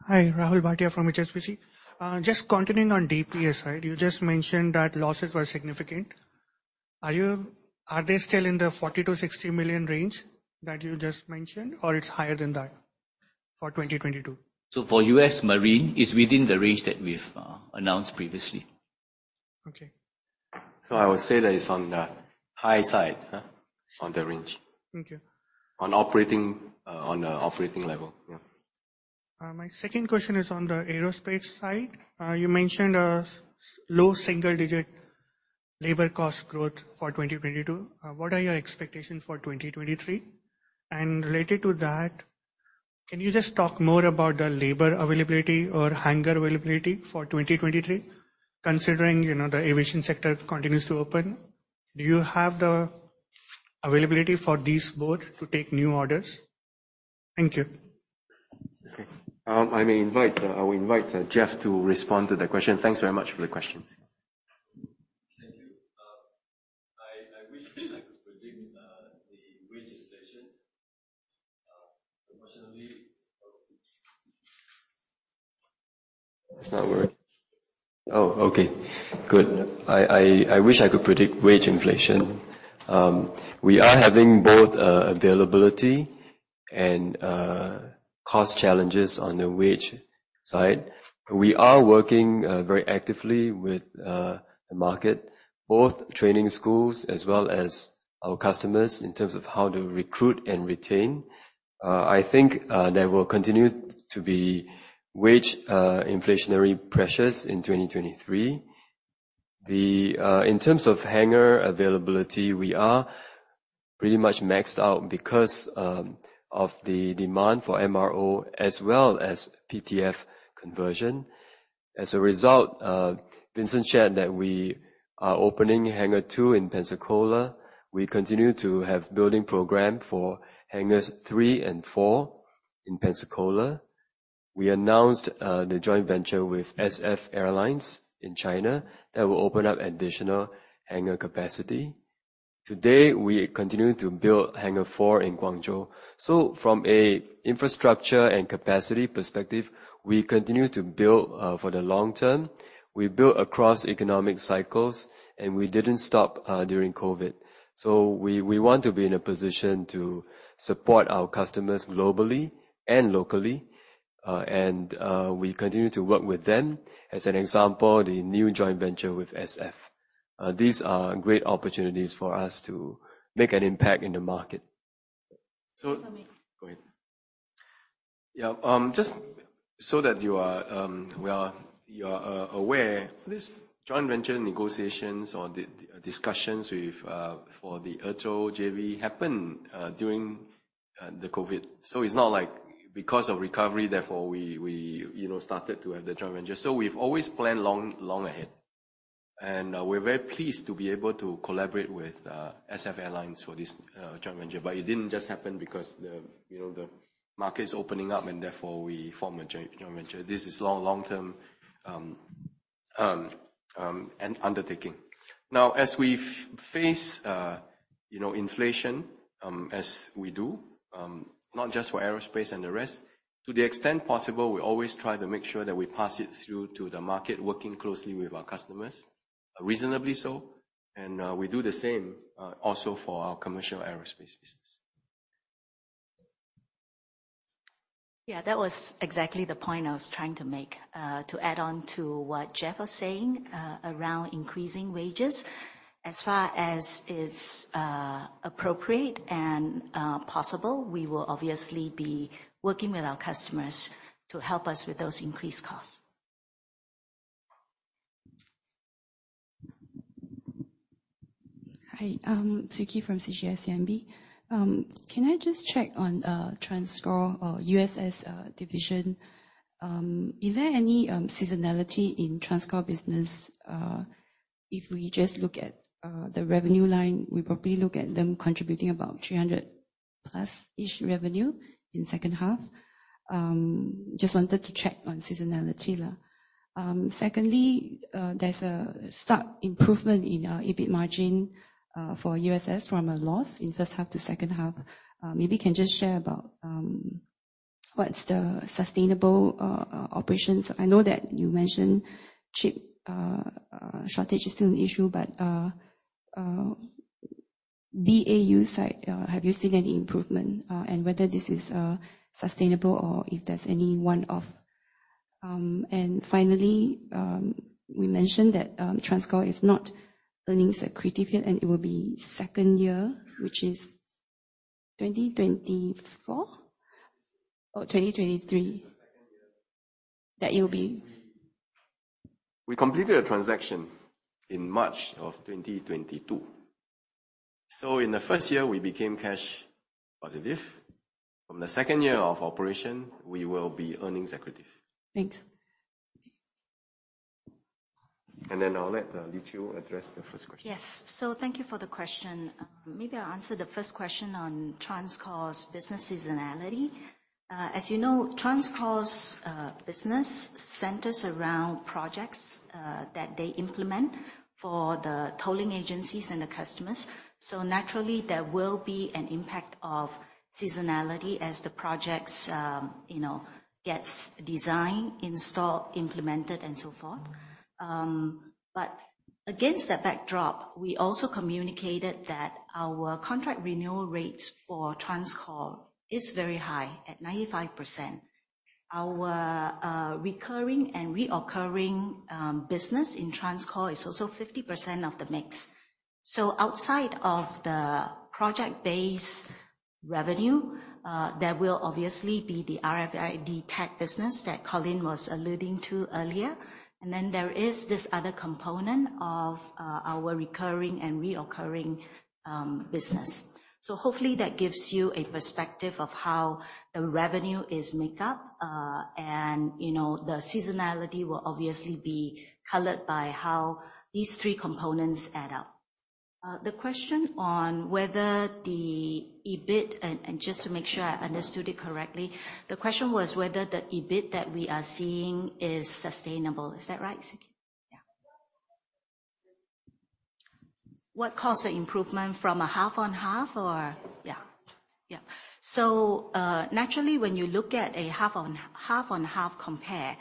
Hi. Rahul Bhatia from HSBC. Just continuing on DPS side. You just mentioned that losses were significant. Are they still in the $40 million-$60 million range that you just mentioned, or it's higher than that for 2022? For U.S. Marine, it's within the range that we've announced previously. Okay. I would say that it's on the high side, on the range. Thank you. On operating level. Yeah. My second question is on the aerospace side. You mentioned low single-digit labor cost growth for 2022. What are your expectations for 2023? Related to that, can you just talk more about the labor availability or hangar availability for 2023, considering, you know, the aviation sector continues to open? Do you have the availability for these both to take new orders? Thank you. I will invite Jeff to respond to the question. Thanks very much for the questions. Thank you. I wish I could predict the wage inflation. Unfortunately—it's not working. Okay. Good. I wish I could predict wage inflation. We are having both availability and cost challenges on the wage side. We are working very actively with the market, both training schools as well as our customers in terms of how to recruit and retain. I think there will continue to be wage inflationary pressures in 2023. In terms of hangar availability, we are pretty much maxed out because of the demand for MRO as well as P2F conversion. As a result, Vincent shared that we are opening Hangar 2 in Pensacola. We continue to have building program for Hangars 3 and 4 in Pensacola. We announced the joint venture with SF Airlines in China. That will open up additional hangar capacity. Today, we continue to build Hangar 4 in Guangzhou. From a infrastructure and capacity perspective, we continue to build for the long term. We build across economic cycles, and we didn't stop during COVID. We want to be in a position to support our customers globally and locally, and we continue to work with them. As an example, the new joint venture with SF. These are great opportunities for us to make an impact in the market. So— Go ahead. Yeah, just so that you are aware, this joint venture negotiations or the discussions with, for the Ezhou JV happened, during The COVID. It's not like because of recovery, therefore we, you know, started to have the joint venture. We've always planned long ahead. We're very pleased to be able to collaborate with SF Airlines for this joint venture. It didn't just happen because, you know, the market is opening up, and therefore we form a joint venture. This is long-term an undertaking. Now, as we face, you know, inflation, as we do, not just for aerospace and the rest, to the extent possible, we always try to make sure that we pass it through to the market, working closely with our customers, reasonably so. We do the same also for our Commercial Aerospace business. Yeah, that was exactly the point I was trying to make. To add on to what Jeff was saying, around increasing wages. As far as it's appropriate and possible, we will obviously be working with our customers to help us with those increased costs. Hi. I'm Siew Khee from CGS-CIMB. Can I just check on TransCore or USS division. Is there any seasonality in TransCore business? If we just look at the revenue line, we probably look at them contributing about 300+ million-ish revenue in second half. Just wanted to check on seasonality. Secondly, there's a stark improvement in EBIT margin for USS from a loss in first half to second half. Maybe you can just share about what's the sustainable operations. I know that you mentioned chip shortage is still an issue, but BAU side, have you seen any improvement and whether this is sustainable or if there's any one-off? Finally, we mentioned that TransCore is not earnings accretive yet, and it will be second year, which is 2024 or 2023? The second year. That it will be— We completed a transaction in March of 2022. In the first year, we became cash positive. From the second year of operation, we will be earnings accretive. Thanks. I'll let Lee Chew address the first question. Yes. Thank you for the question. Maybe I'll answer the first question on TransCore's business seasonality. As you know, TransCore's business centers around projects that they implement for the tolling agencies and the customers. Naturally, there will be an impact of seasonality as the projects, you know, gets designed, installed, implemented, and so forth. Against that backdrop, we also communicated that our contract renewal rates for TransCore is very high, at 95%. Our recurring and reoccurring business in TransCore is also 50% of the mix. Outside of the project-based revenue, there will obviously be the RFID tech business that Colin was alluding to earlier. There is this other component of our recurring and reoccurring business. Hopefully that gives you a perspective of how the revenue is make up. You know, the seasonality will obviously be colored by how these three components add up. The question on whether the EBIT. And just to make sure I understood it correctly, the question was whether the EBIT that we are seeing is sustainable. Is that right, Siew Khee? Yeah. What caused the improvement from a half-on-half or? Yeah. Naturally, when you look at a half-on-half compare,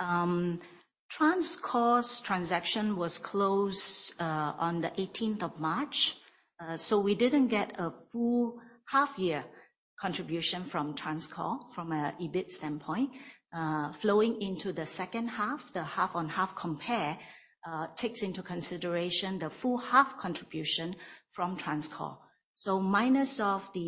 TransCore's transaction was closed on the 18th of March. We didn't get a full half year contribution from TransCore from an EBIT standpoint. Flowing into the second half, the half-on-half compare takes into consideration the full half contribution from TransCore. So minus of the,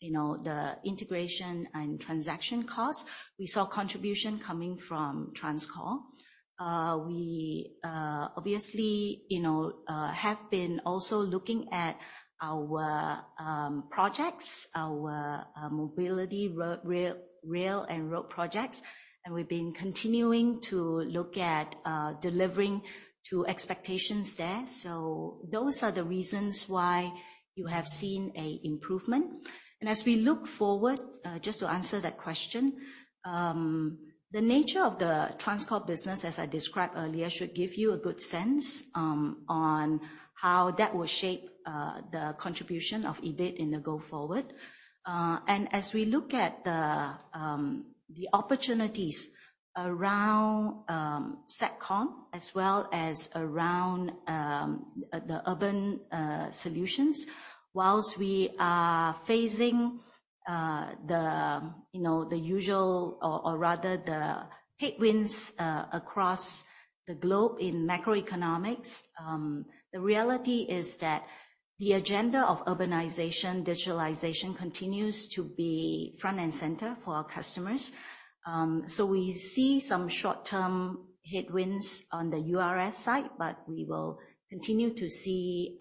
you know, the integration and transaction costs, we saw contribution coming from TransCore. We, obviously, you know, have been also looking at our projects, our mobility road, rail and road projects, and we've been continuing to look at delivering to expectations there. Those are the reasons why you have seen a improvement. As we look forward, just to answer that question, the nature of the TransCore business, as I described earlier, should give you a good sense on how that will shape the contribution of EBIT in the go forward. As we look at the opportunities around Satcom as well as around the Urban Solutions, whilst we are facing the, you know, the usual or rather the headwinds across the globe in macroeconomics, the reality is that the agenda of urbanization, digitalization continues to be front and center for our customers. We see some short-term headwinds on the Urban Solutions side, but we will continue to see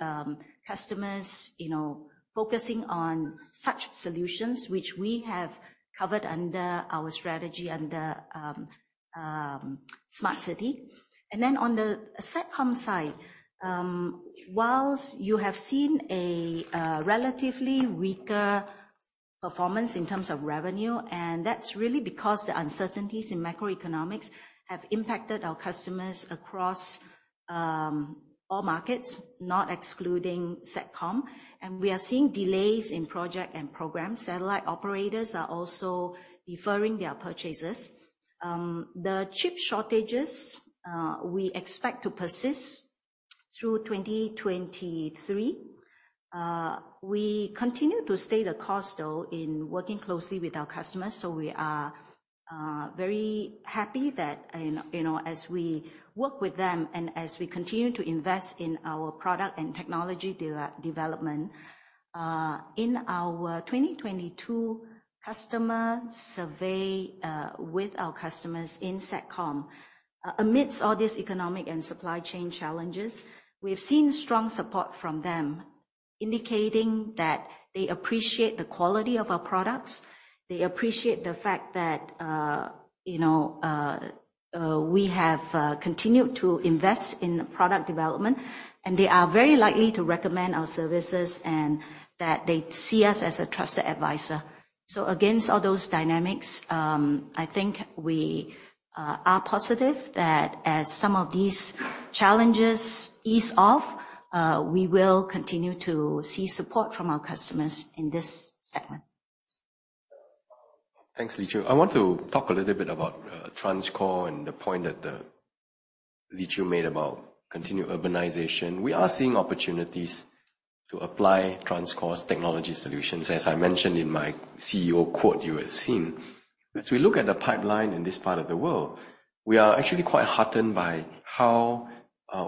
customers, you know, focusing on such solutions, which we have covered under our strategy under Smart City. On the Satcom side, whilst you have seen a relatively weaker-Performance in terms of revenue, and that's really because the uncertainties in macroeconomics have impacted our customers across all markets, not excluding Satcom. We are seeing delays in project and programs. Satellite operators are also deferring their purchases. The chip shortages, we expect to persist through 2023. We continue to stay the course though in working closely with our customers, so we are very happy that, you know, as we work with them and as we continue to invest in our product and technology development. In our 2022 customer survey, with our customers in Satcom, amidst all this economic and supply chain challenges, we have seen strong support from them, indicating that they appreciate the quality of our products. They appreciate the fact that, you know, we have continued to invest in product development, and they are very likely to recommend our services and that they see us as a trusted advisor. Against all those dynamics, I think we are positive that as some of these challenges ease off, we will continue to see support from our customers in this segment. Thanks, Lee Chew. I want to talk a little bit about TransCore and the point that Lee Chew made about continued urbanization. We are seeing opportunities to apply TransCore's technology solutions, as I mentioned in my CEO quote you have seen. As we look at the pipeline in this part of the world, we are actually quite heartened by how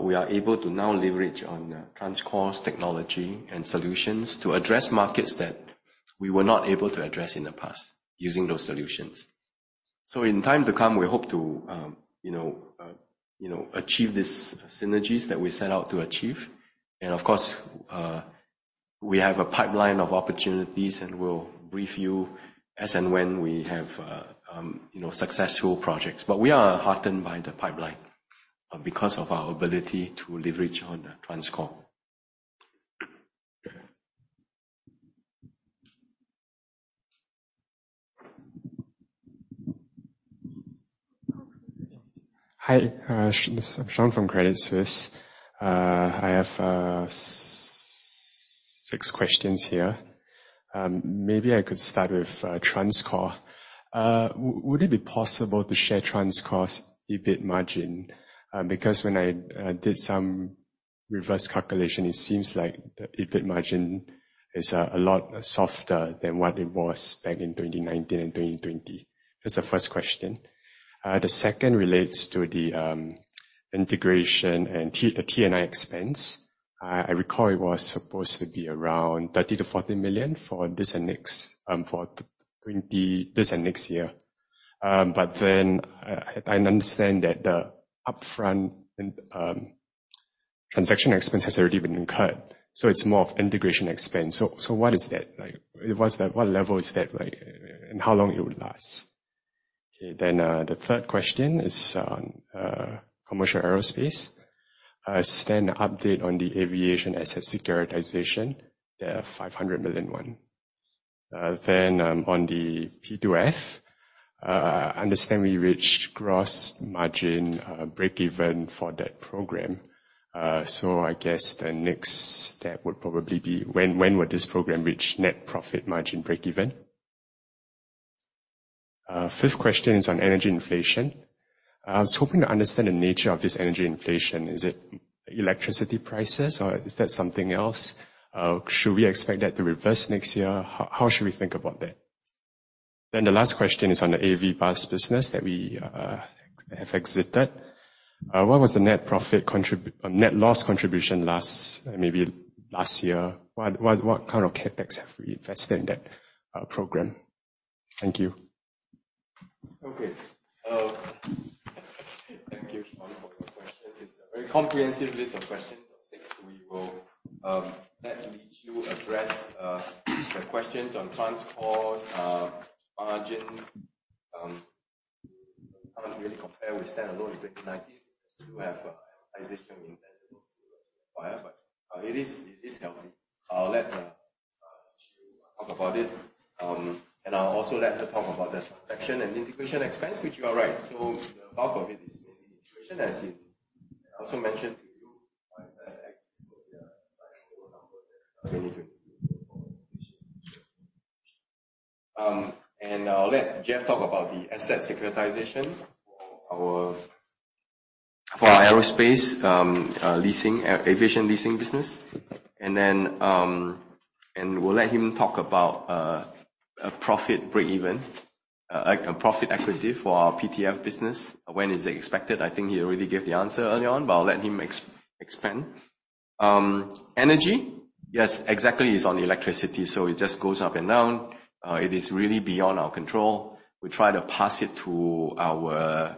we are able to now leverage on TransCore's technology and solutions to address markets that we were not able to address in the past using those solutions. In time to come, we hope to, you know, achieve these synergies that we set out to achieve. Of course, we have a pipeline of opportunities, and we'll brief you as and when we have, you know, successful projects. We are heartened by the pipeline, because of our ability to leverage on TransCore. Hi, this is Shaun from Credit Suisse. I have six questions here. Maybe I could start with TransCore. Would it be possible to share TransCore's EBIT margin? Because when I did some reverse calculation, it seems like the EBIT margin is a lot softer than what it was back in 2019 and 2020. That's the first question. The second relates to the integration and T&I expense. I recall it was supposed to be around 30 million-40 million for this and next, this and next year. I understand that the upfront and transaction expense has already been incurred, so it's more of integration expense. What is that like? What level is that like and how long it would last? The third question is on Commercial Aerospace. I just need an update on the aviation asset securitization, the 500 million one. On the P2F, I understand we reached gross margin breakeven for that program. I guess the next step would probably be when would this program reach net profit margin breakeven? Fifth question is on energy inflation. I was hoping to understand the nature of this energy inflation. Is it electricity prices or is that something else? Should we expect that to reverse next year? How should we think about that? The last question is on the AV bus business that we have exited. What was the net loss contribution last, maybe last year? What kind of CapEx have we invested in that program? Thank you. Okay. Thank you, Shaun, for your questions. It's a very comprehensive list of questions of six. We will let Lee Chew address the questions on TransCore's margin. Can't really compare with stand-alone in 2019. We. [inaudible] I'll let Lee Chew talk about it. And I'll also let her talk about the transaction and integration expense, which you are right. The bulk of it is integration, as you also mentioned to you. And I'll let Jeff talk about the asset securitization for our aerospace leasing, aviation leasing business. Then we'll let him talk about a profit breakeven, a profit equity for our P2F business. When is it expected? I think he already gave the answer early on, but I'll let him explain. Energy. Yes, exactly. It's on electricity, so it just goes up and down. It is really beyond our control. We try to pass it to our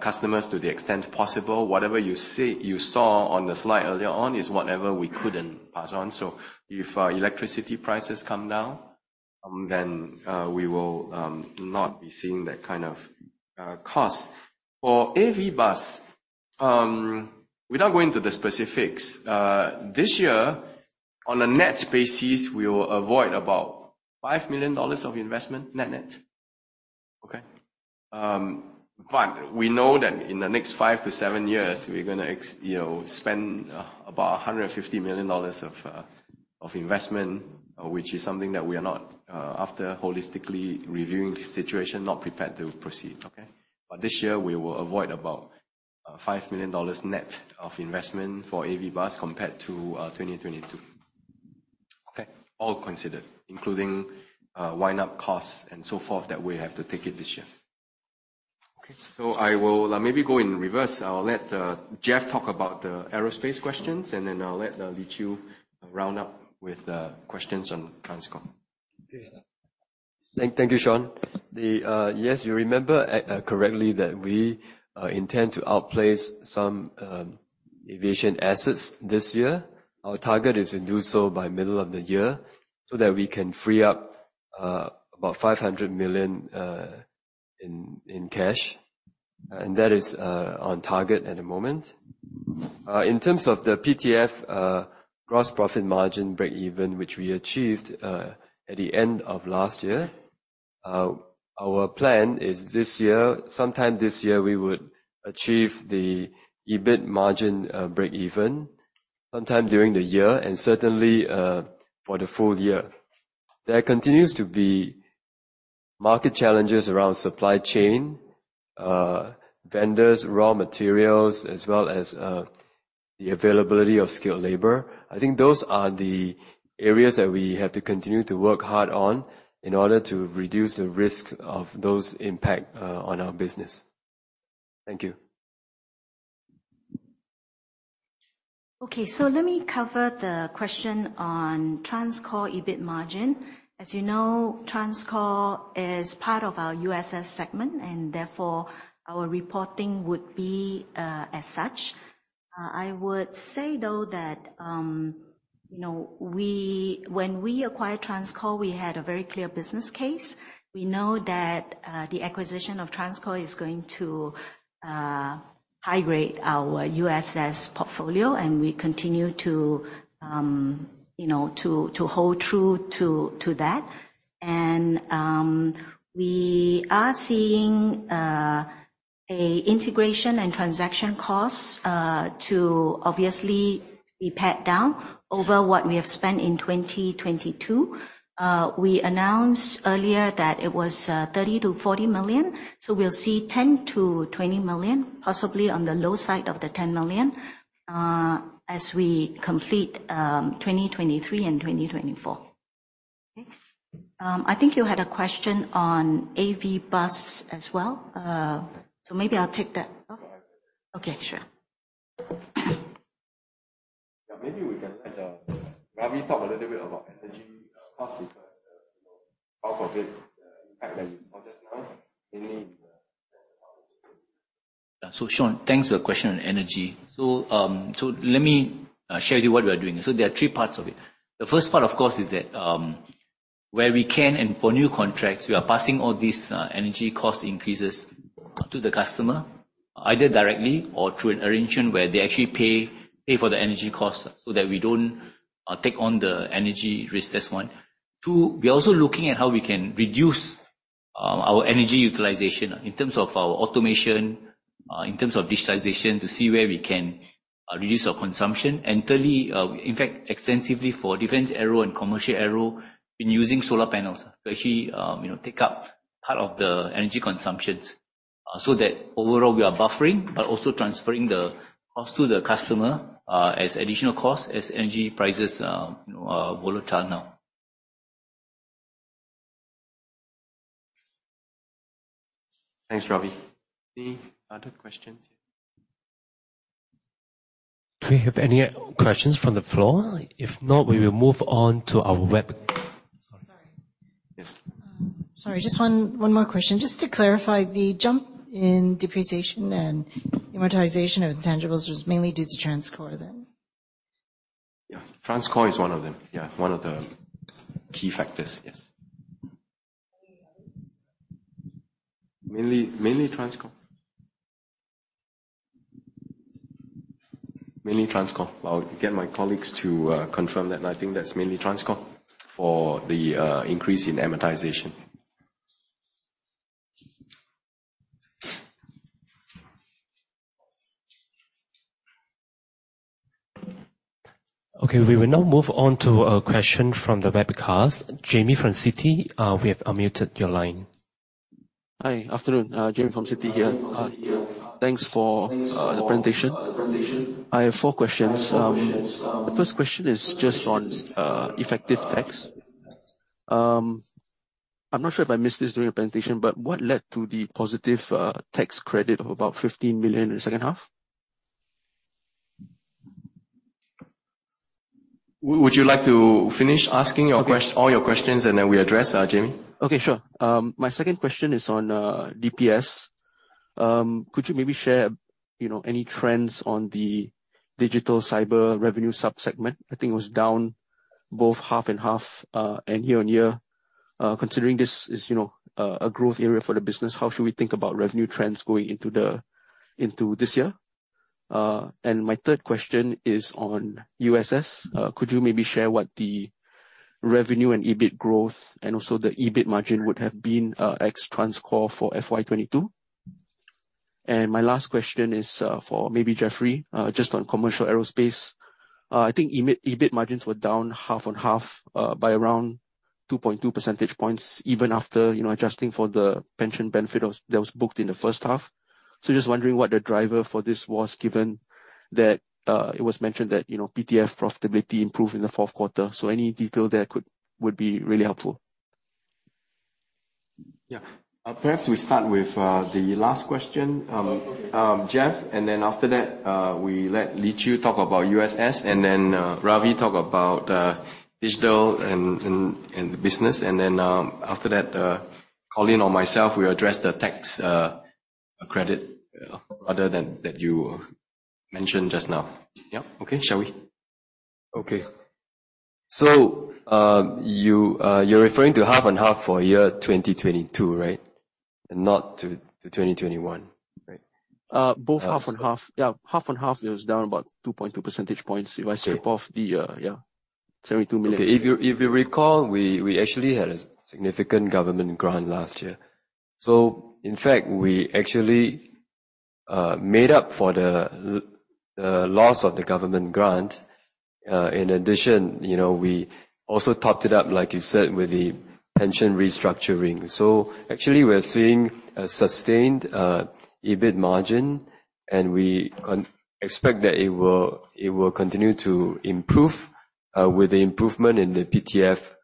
customers to the extent possible. Whatever you saw on the slide earlier on is whatever we couldn't pass on. If our electricity prices come down, then we will not be seeing that kind of cost. For AV, without going into the specifics, this year on a net basis, we will avoid about 5 million dollars of investment, net-net. Okay. We know that in the next five to seven years we're gonna you know, spend about 150 million dollars of investment, which is something that we are not, after holistically reviewing the situation, not prepared to proceed, okay. This year we will avoid about 5 million dollars net of investment for AV Bus compared to 2022. Okay. All considered, including wind up costs and so forth that we have to take it this year. Okay. I will maybe go in reverse. I'll let Jeff talk about the aerospace questions, and then I'll let Lee Chew round up with the questions on TransCore. Yeah. Thank you, Shaun. Yes, you remember correctly that we intend to outplace some aviation assets this year. Our target is to do so by middle of the year so that we can free up about 500 million in cash. That is on target at the moment. In terms of the P2F gross profit margin breakeven, which we achieved at the end of last year, our plan is this year, sometime this year, we would achieve the EBIT margin breakeven sometime during the year and certainly, for the full year. There continues to be market challenges around supply chain, vendors, raw materials, as well as the availability of skilled labor. I think those are the areas that we have to continue to work hard on in order to reduce the risk of those impact on our business. Thank you. Okay. Let me cover the question on TransCore EBIT margin. As you know, TransCore is part of our USS segment, and therefore our reporting would be as such. I would say, though, that, you know, when we acquired TransCore, we had a very clear business case. We know that the acquisition of TransCore is going to high grade our USS portfolio, and we continue to, you know, to hold true to that. We are seeing a integration and transaction costs to obviously be pared down over what we have spent in 2022. We announced earlier that it was 30 million-40 million. We'll see 10 million-20 million, possibly on the low side of the 10 million, as we complete 2023 and 2024. Okay? I think you had a question on AV Bus as well. Maybe I'll take that. Okay. Sure. Yeah. Maybe we can let Ravi talk a little bit about energy costs because, you know, half of it impact that you saw just now, mainly in the. [inaudible] Yeah. Shaun, thanks for the question on energy. Let me share with you what we are doing. There are three parts of it. The first part, of course, is that where we can and for new contracts, we are passing all these energy cost increases to the customer, either directly or through an arrangement where they actually pay for the energy costs so that we don't take on the energy risk. That's one. Two, we're also looking at how we can reduce our energy utilization in terms of our automation, in terms of digitization, to see where we can reduce our consumption. And thirdly, in fact, extensively for Defence Aero and Commercial Aero, we've been using solar panels to actually, you know, take up part of the energy consumptions, so that overall we are buffering but also transferring the cost to the customer, as additional cost as energy prices are, you know, are volatile now. Thanks, Ravi. Any other questions? Do we have any questions from the floor? If not, we will move on to our web. [inaudible] Sorry, just one more question. Just to clarify, the jump in depreciation and amortization of intangibles was mainly due to TransCore then? Yeah. TransCore is one of them. Yeah. One of the key factors. Yes. Any others? Mainly TransCore. Mainly TransCore. I'll get my colleagues to confirm that. I think that's mainly TransCore for the increase in amortization. Okay. We will now move on to a question from the webcast. Jame from Citi, we have unmuted your line. Hi. Afternoon. Jame from Citi here. Thanks for the presentation. I have four questions. The first question is just on effective tax. I'm not sure if I missed this during the presentation, but what led to the positive tax credit of about 15 million in the second half? Would you like to finish asking your? Okay. All your questions, and then we address, Jame? Okay. Sure. My second question is on DPS. Could you maybe share, you know, any trends on the Digital/Cyber revenue sub-segment? I think it was down both half and half, and year-on-year. Considering this is, you know, a growth area for the business, how should we think about revenue trends going into this year? My third question is on USS. Could you maybe share what the revenue and EBIT growth and also the EBIT margin would have been, ex-TransCore for FY 2022? My last question is for maybe Jeffrey, just on Commercial Aerospace. I think EBIT margins were down half-on-half, by around 2.2 percentage points even after, you know, adjusting for the pension benefit that was booked in the first half. Just wondering what the driver for this was, given that it was mentioned that, you know, P2F profitability improved in the fourth quarter. Any detail there would be really helpful. Perhaps we start with the last question. Okay. Jeff, after that, we let Lee Chew talk about USS, then Ravi talk about digital and the business. After that, Colin or myself, we address the tax credit other than that you mentioned just now. Yeah. Okay. Shall we? Okay. you're referring to half and half for year 2022, right? Not to 2021, right? Both half and half. Yeah, half and half it was down about 2.2 percentage points. Okay. The, yeah, 72 million. If you recall, we actually had a significant government grant last year. In fact, we actually made up for the loss of the government grant. In addition, you know, we also topped it up, like you said, with the pension restructuring. Actually we're seeing a sustained EBIT margin, and we expect that it will continue to improve with the improvement in the P2F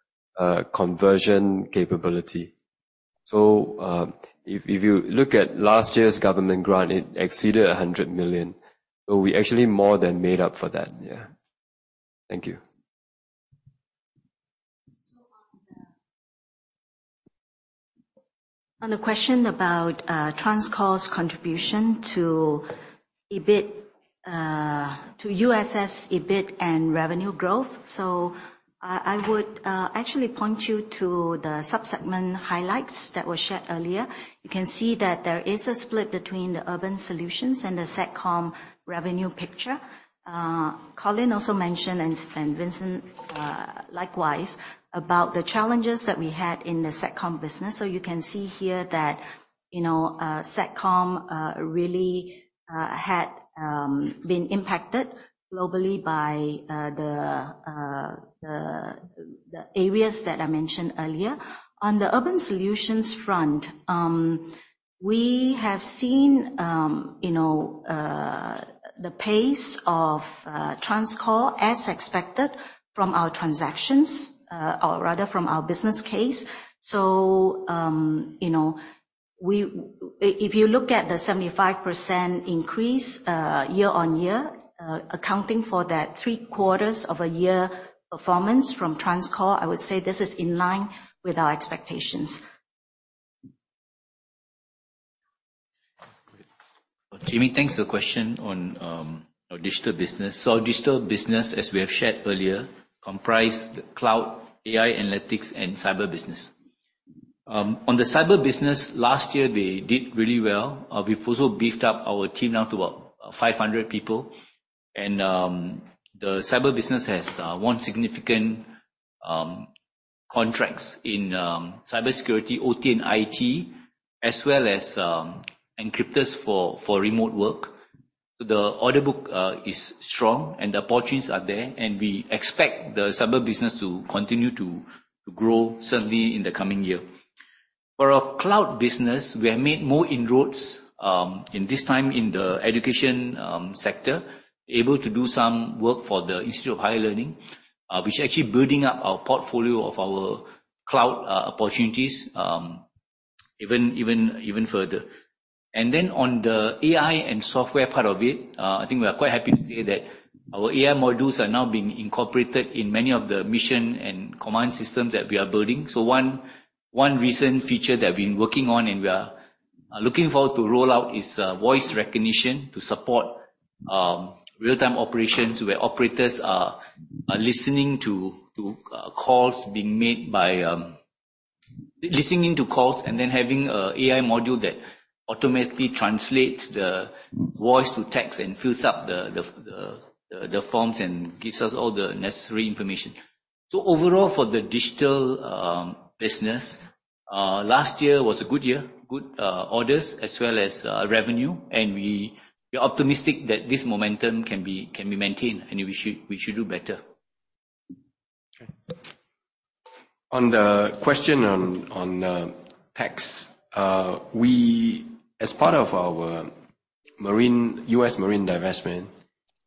conversion capability. If you look at last year's government grant, it exceeded 100 million. We actually more than made up for that. Thank you. On the, on the question about TransCore's contribution to EBIT, to USS EBIT and revenue growth. I would actually point you to the sub-segment highlights that were shared earlier. You can see that there is a split between the Urban Solutions & the Satcom revenue picture. Colin also mentioned, and Vincent likewise, about the challenges that we had in the Satcom business. You can see here that, you know, Satcom really had been impacted globally by the areas that I mentioned earlier. On the Urban Solutions front, we have seen, you know, the pace of TransCore as expected from our transactions, or rather from our business case. You know, if you look at the 75% increase, year-on-year, accounting for that three-quarters of a year performance from TransCore, I would say this is in line with our expectations. Great. Jame, thanks for the question on our digital business. Our Digital business, as we have shared earlier, comprise the Cloud, AI Analytics, and Cyber business. On the Cyber business, last year they did really well. We've also beefed up our team now to about 500 people. The Cyber business has won significant contracts in cybersecurity, OT, and IT, as well as encryptors for remote work. The order book is strong, and the opportunities are there, and we expect the Cyber business to continue to grow certainly in the coming year. For our Cloud business, we have made more inroads in this time in the education sector. Able to do some work for the Institute of Higher Learning, which actually building up our portfolio of our cloud opportunities even further. On the AI and software part of it, I think we are quite happy to say that our AI modules are now being incorporated in many of the mission and command systems that we are building. One recent feature that we've been working on and we are looking forward to roll out is voice recognition to support real-time operations where operators are listening to calls and then having an AI module that automatically translates the voice to text and fills up the forms and gives us all the necessary information. Overall, for the Digital business, last year was a good year. Good orders as well as revenue. We are optimistic that this momentum can be maintained and we should do better. On the question on tax, we as part of our U.S. Marine divestment,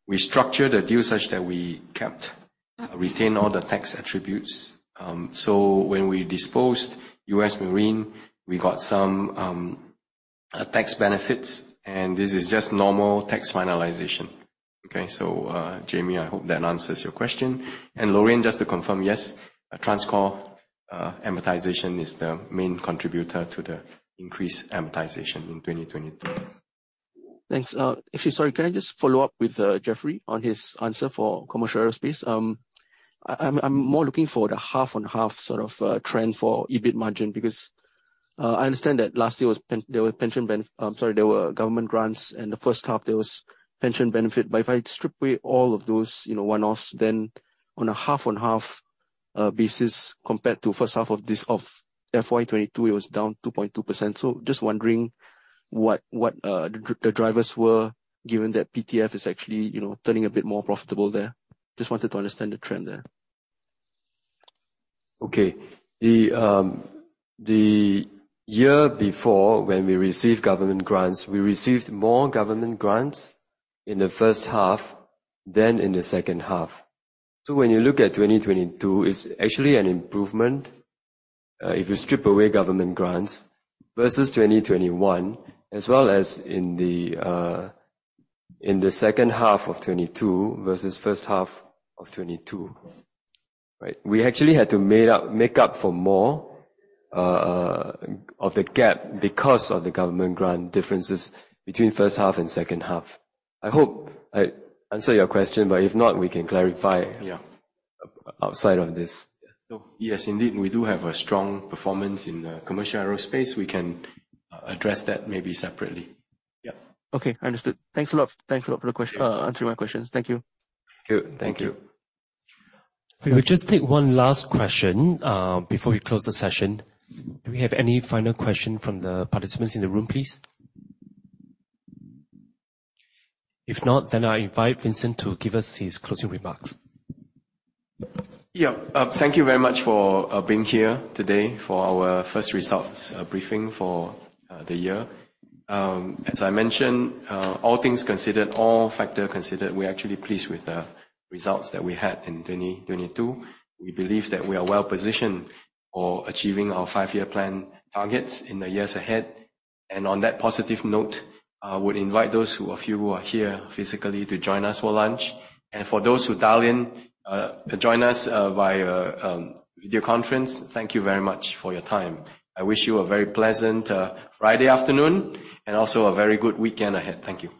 we structured the deal such that we kept retained all the tax attributes. When we disposed U.S. Marine, we got some tax benefits, and this is just normal tax finalization. Jame, I hope that answers your question. [Lorraine], just to confirm, yes, TransCore amortization is the main contributor to the increased amortization in 2022. Thanks. Actually, sorry, can I just follow up with Jeffrey on his answer for Commercial Aerospace? I'm more looking for the half-on-half sort of trend for EBIT margin because I understand that last year was there were government grants and the first half there was pension benefit. If I strip away all of those, you know, one-offs then on a half-on-half basis compared to first half of this, of FY 2022, it was down 2.2%. Just wondering what the drivers were given that P2F is actually, you know, turning a bit more profitable there. Just wanted to understand the trend there. The year before when we received government grants, we received more government grants in the first half than in the second half. When you look at 2022, it's actually an improvement if you strip away government grants versus 2021 as well as in the second half of 2022 versus first half of 2022. Right? We actually had to make up for more of the gap because of the government grant differences between first half and second half. I hope I answer your question, if not we can clarify outside of this. Yes, indeed, we do have a strong performance in Commercial Aerospace. We can address that maybe separately. Yeah. Okay, understood. Thanks a lot. Thank you for answering my questions. Thank you. Thank you. Thank you. We'll just take one last question before we close the session. Do we have any final question from the participants in the room, please? If not, I invite Vincent to give us his closing remarks. Thank you very much for being here today for our first results briefing for the year. As I mentioned, all things considered, all factor considered, we're actually pleased with the results that we had in 2022. We believe that we are well-positioned for achieving our five-year plan targets in the years ahead. On that positive note, would invite those who of you who are here physically to join us for lunch. For those who dial in, join us via video conference, thank you very much for your time. I wish you a very pleasant Friday afternoon and also a very good weekend ahead. Thank you.